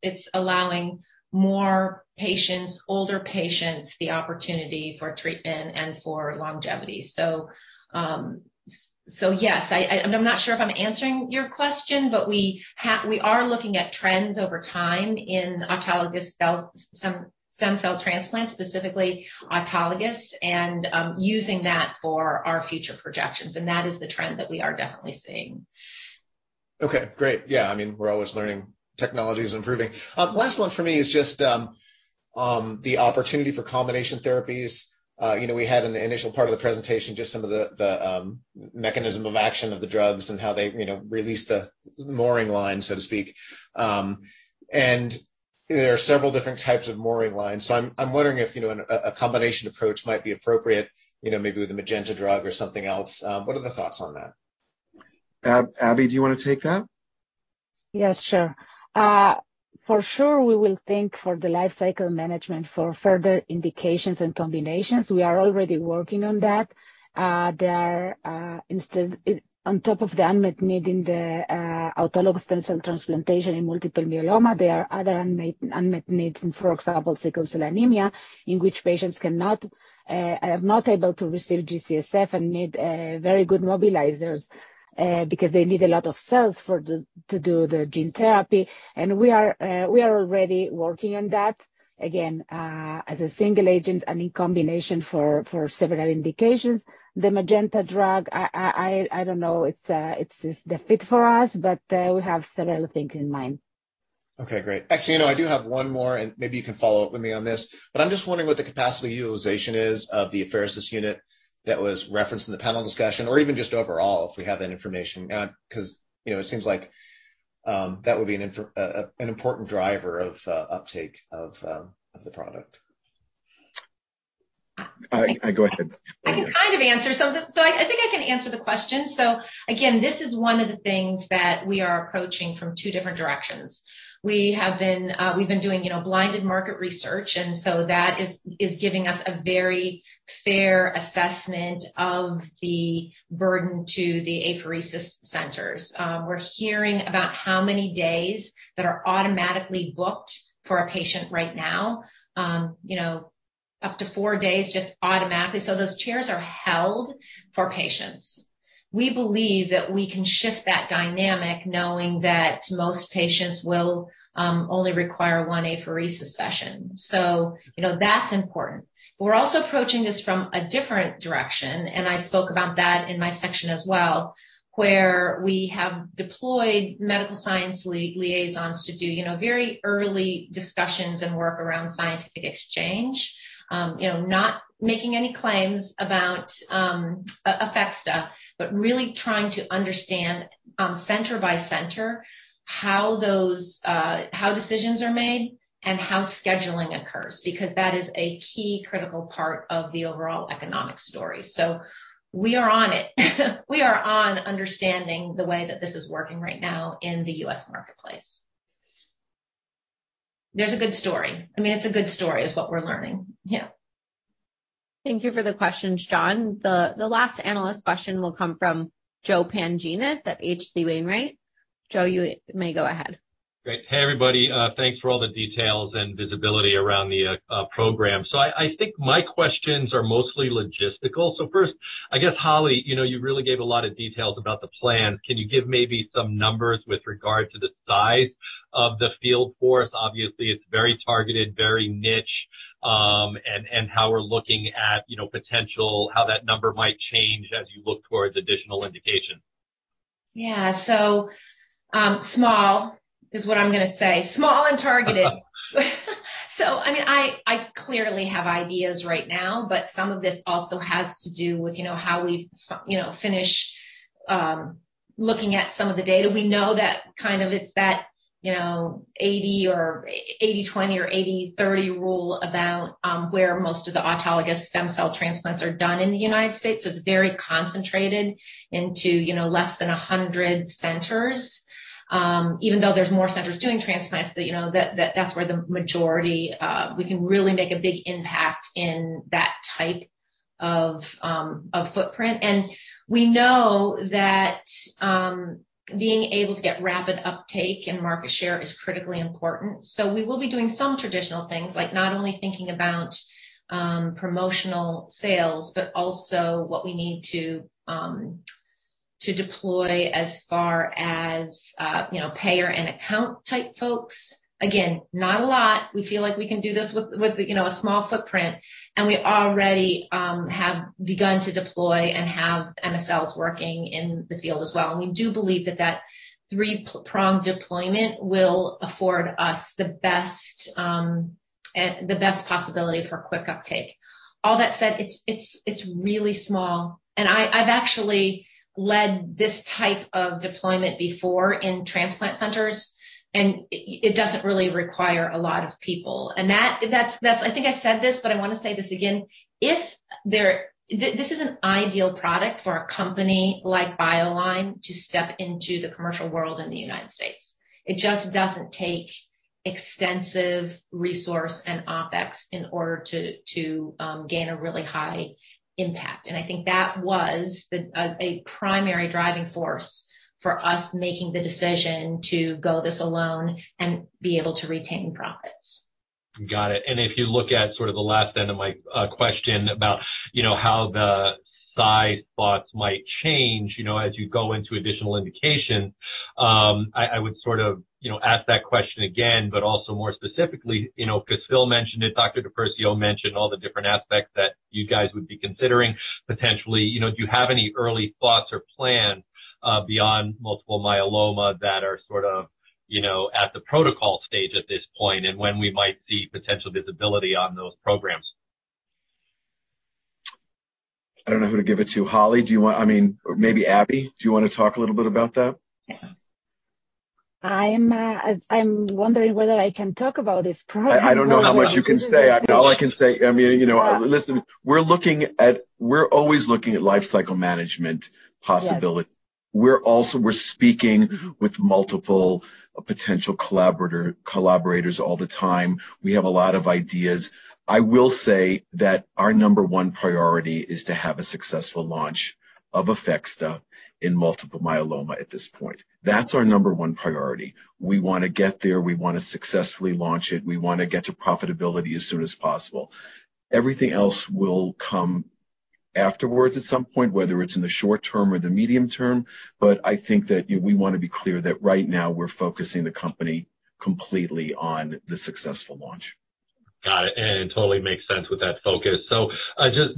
It's allowing more patients, older patients, the opportunity for treatment and for longevity. Yes. I'm not sure if I'm answering your question, but we are looking at trends over time in autologous stem cell transplants, specifically autologous, and using that for our future projections, and that is the trend that we are definitely seeing. Okay, great. Yeah. I mean, we're always learning. Technology is improving. Last one for me is just the opportunity for combination therapies. You know, we had in the initial part of the presentation just some of the mechanism of action of the drugs and how they, you know, release the mooring line, so to speak. And there are several different types of mooring lines. So I'm wondering if, you know, a combination approach might be appropriate, you know, maybe with the Magenta drug or something else. What are the thoughts on that? Abby, do you wanna take that? Yes, sure. For sure, we will think for the lifecycle management for further indications and combinations. We are already working on that. There are, instead, on top of the unmet need in the autologous stem cell transplantation in multiple myeloma, there are other unmet needs in, for example, sickle cell anemia, in which patients are not able to receive G-CSF and need very good mobilizers because they need a lot of cells to do the gene therapy. We are already working on that, again, as a single agent and in combination for several indications. The Magenta drug, I don't know it's the fit for us, but we have several things in mind. Okay, great. Actually, you know, I do have one more, and maybe you can follow up with me on this. I'm just wondering what the capacity utilization is of the apheresis unit that was referenced in the panel discussion or even just overall, if we have that information? 'Cause, you know, it seems like that would be an important driver of uptake of the product. Go ahead. I can kind of answer some. I think I can answer the question. Again, this is one of the things that we are approaching from two different directions. We have been, we've been doing, you know, blinded market research, and so that is giving us a very fair assessment of the burden to the apheresis centers. We're hearing about how many days that are automatically booked for a patient right now, you know, up to four days just automatically. Those chairs are held for patients. We believe that we can shift that dynamic knowing that most patients will only require one apheresis session. You know, that's important. We're also approaching this from a different direction, and I spoke about that in my section as well, where we have deployed medical science liaisons to do, you know, very early discussions and work around scientific exchange. You know, not making any claims about APHEXDA, but really trying to understand, center by center, how those, how decisions are made and how scheduling occurs, because that is a key critical part of the overall economic story. We are on it. We are on understanding the way that this is working right now in the U.S. marketplace. There's a good story. I mean, it's a good story is what we're learning. Yeah. Thank you for the questions, John. The last analyst question will come from Joe Pantginis at H.C. Wainwright. Joe, you may go ahead. Great. Hey, everybody. Thanks for all the details and visibility around the program. I think my questions are mostly logistical. First, I guess, Holly, you know, you really gave a lot of details about the plan. Can you give maybe some numbers with regard to the size of the field force? Obviously, it's very targeted, very niche, and how we're looking at, you know, how that number might change as you look towards additional indication. Yeah. Small is what I'm gonna say. Small and targeted. I mean, I clearly have ideas right now, but some of this also has to do with, you know, how we finish looking at some of the data. We know that it's that, you know, 80/20 or 80/30 rule about where most of the autologous stem cell transplants are done in the United States. It's very concentrated into, you know, less than 100 centers. Even though there's more centers doing transplants, but, you know, that's where the majority, we can really make a big impact in that type of footprint. We know that being able to get rapid uptake and market share is critically important. We will be doing some traditional things, like not only thinking about promotional sales, but also what we need to deploy as far as you know, payer and account type folks. Again, not a lot. We feel like we can do this with you know, a small footprint, and we already have begun to deploy and have MSLs working in the field as well. We do believe that three-prong deployment will afford us the best possibility for quick uptake. All that said, it's really small. I've actually led this type of deployment before in transplant centers, and it doesn't really require a lot of people. That I think I said this, but I wanna say this again. This is an ideal product for a company like BioLineRx to step into the commercial world in the United States. It just doesn't take extensive resource and OpEx in order to gain a really high impact. I think that was a primary driving force for us making the decision to go this alone and be able to retain profits. Got it. If you look at sort of the last end of my question about, you know, how the size thoughts might change, you know, as you go into additional indication, I would sort of, you know, ask that question again, but also more specifically, you know, 'cause Phil mentioned it, Dr. DiPersio mentioned all the different aspects that you guys would be considering potentially. You know, do you have any early thoughts or plans beyond multiple myeloma that are sort of, you know, at the protocol stage at this point, and when we might see potential visibility on those programs? I don't know who to give it to. Holly, do you want, I mean, or maybe Abby, do you wanna talk a little bit about that? Yeah. I'm wondering whether I can talk about this program. I don't know how much you can say. All I can say, I mean, you know, listen, we're always looking at lifecycle management possibility. Yeah. We're speaking with multiple potential collaborators all the time. We have a lot of ideas. I will say that our number one priority is to have a successful launch of APHEXDA in multiple myeloma at this point. That's our number one priority. We wanna get there. We wanna successfully launch it. We wanna get to profitability as soon as possible. Everything else will come afterwards at some point, whether it's in the short term or the medium term. I think that we wanna be clear that right now we're focusing the company completely on the successful launch. Got it. It totally makes sense with that focus.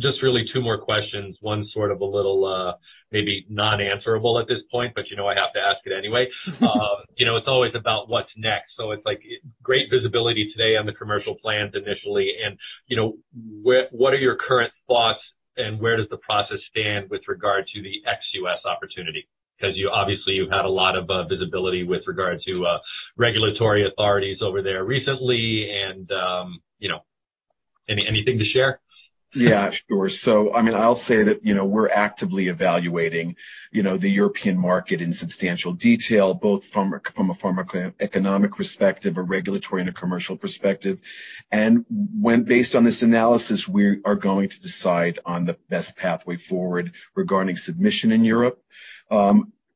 Just really two more questions. One sort of a little, maybe non-answerable at this point, but you know I have to ask it anyway. You know, it's always about what's next. It's like great visibility today on the commercial plans initially and, you know, what are your current thoughts and where does the process stand with regard to the ex-US opportunity? 'Cause you obviously you've had a lot of visibility with regard to regulatory authorities over there recently and, you know, anything to share? Yeah, sure. I mean, I'll say that, you know, we're actively evaluating, you know, the European market in substantial detail, both from a, from a pharmacoeconomic perspective, a regulatory, and a commercial perspective. When, based on this analysis, we are going to decide on the best pathway forward regarding submission in Europe.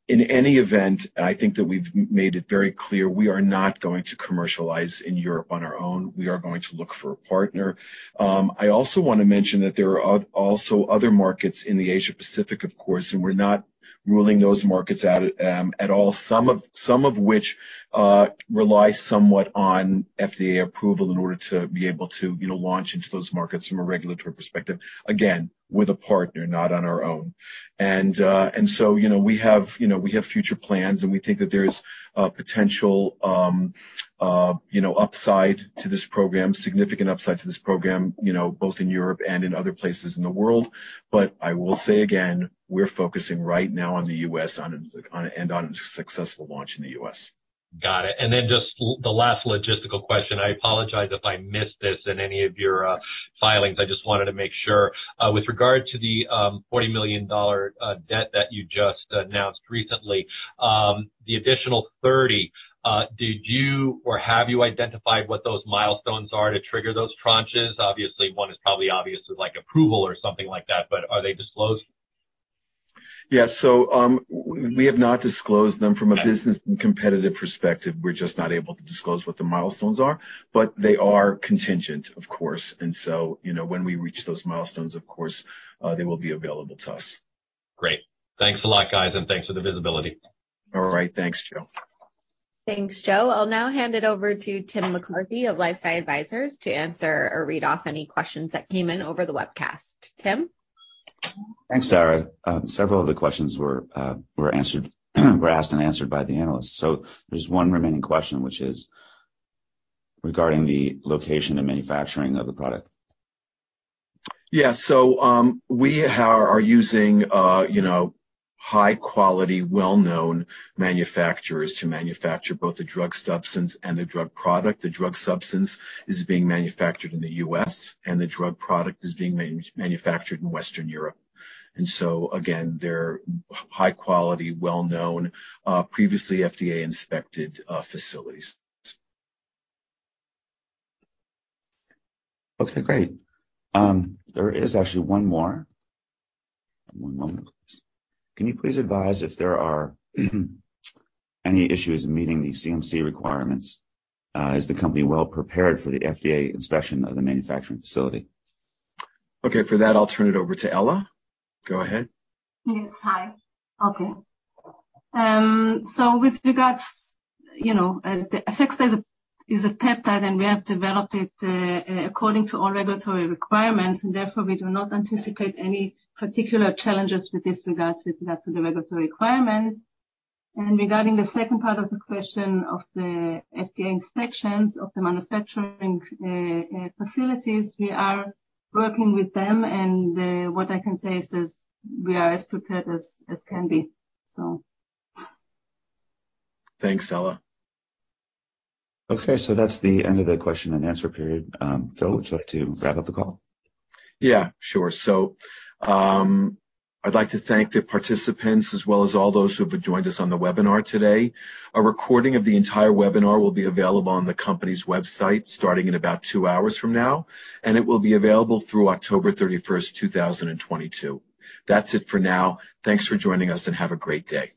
In any event, I think that we've made it very clear, we are not going to commercialize in Europe on our own. We are going to look for a partner. I also wanna mention that there are also other markets in the Asia-Pacific, of course, and we're not ruling those markets out, at all. Some of which rely somewhat on FDA approval in order to be able to, you know, launch into those markets from a regulatory perspective, again, with a partner, not on our own. You know, we have future plans, and we think that there is a potential, you know, upside to this program, significant upside to this program, you know, both in Europe and in other places in the world. I will say again, we're focusing right now on the U.S. and on a successful launch in the U.S. Got it. Just the last logistical question. I apologize if I missed this in any of your filings. I just wanted to make sure. With regard to the $40 million debt that you just announced recently, the additional $30, did you or have you identified what those milestones are to trigger those tranches? Obviously, one is probably obvious with like approval or something like that, but are they disclosed? We have not disclosed them from a business and competitive perspective. We're just not able to disclose what the milestones are, but they are contingent of course. You know, when we reach those milestones, of course, they will be available to us. Great. Thanks a lot, guys, and thanks for the visibility. All right. Thanks, Joe. Thanks, Joe. I'll now hand it over to Tim McCarthy of LifeSci Advisors to answer or read off any questions that came in over the webcast. Tim. Thanks, Sarah. Several of the questions were asked and answered by the analysts. There's one remaining question, which is regarding the location and manufacturing of the product. Yeah. We are using you know, high quality, well-known manufacturers to manufacture both the drug substance and the drug product. The drug substance is being manufactured in the U.S., and the drug product is being manufactured in Western Europe. They're high quality, well-known, previously FDA-inspected facilities. Okay, great. There is actually one more. One moment, please. Can you please advise if there are any issues in meeting the CMC requirements? Is the company well prepared for the FDA inspection of the manufacturing facility? Okay. For that, I'll turn it over to Ella. Go ahead. Yes. Hi. Okay. So with regards, you know, the APHEXDA is a peptide, and we have developed it according to all regulatory requirements, and therefore we do not anticipate any particular challenges with regard to the regulatory requirements. Regarding the second part of the question of the FDA inspections of the manufacturing facilities, we are working with them, and what I can say is this, we are as prepared as can be. Thanks, Ella. Okay, that's the end of the question and answer period. Phil, would you like to wrap up the call? Yeah, sure. I'd like to thank the participants as well as all those who have joined us on the webinar today. A recording of the entire webinar will be available on the company's website starting in about 2 hours from now, and it will be available through October 31st, 2022. That's it for now. Thanks for joining us and have a great day.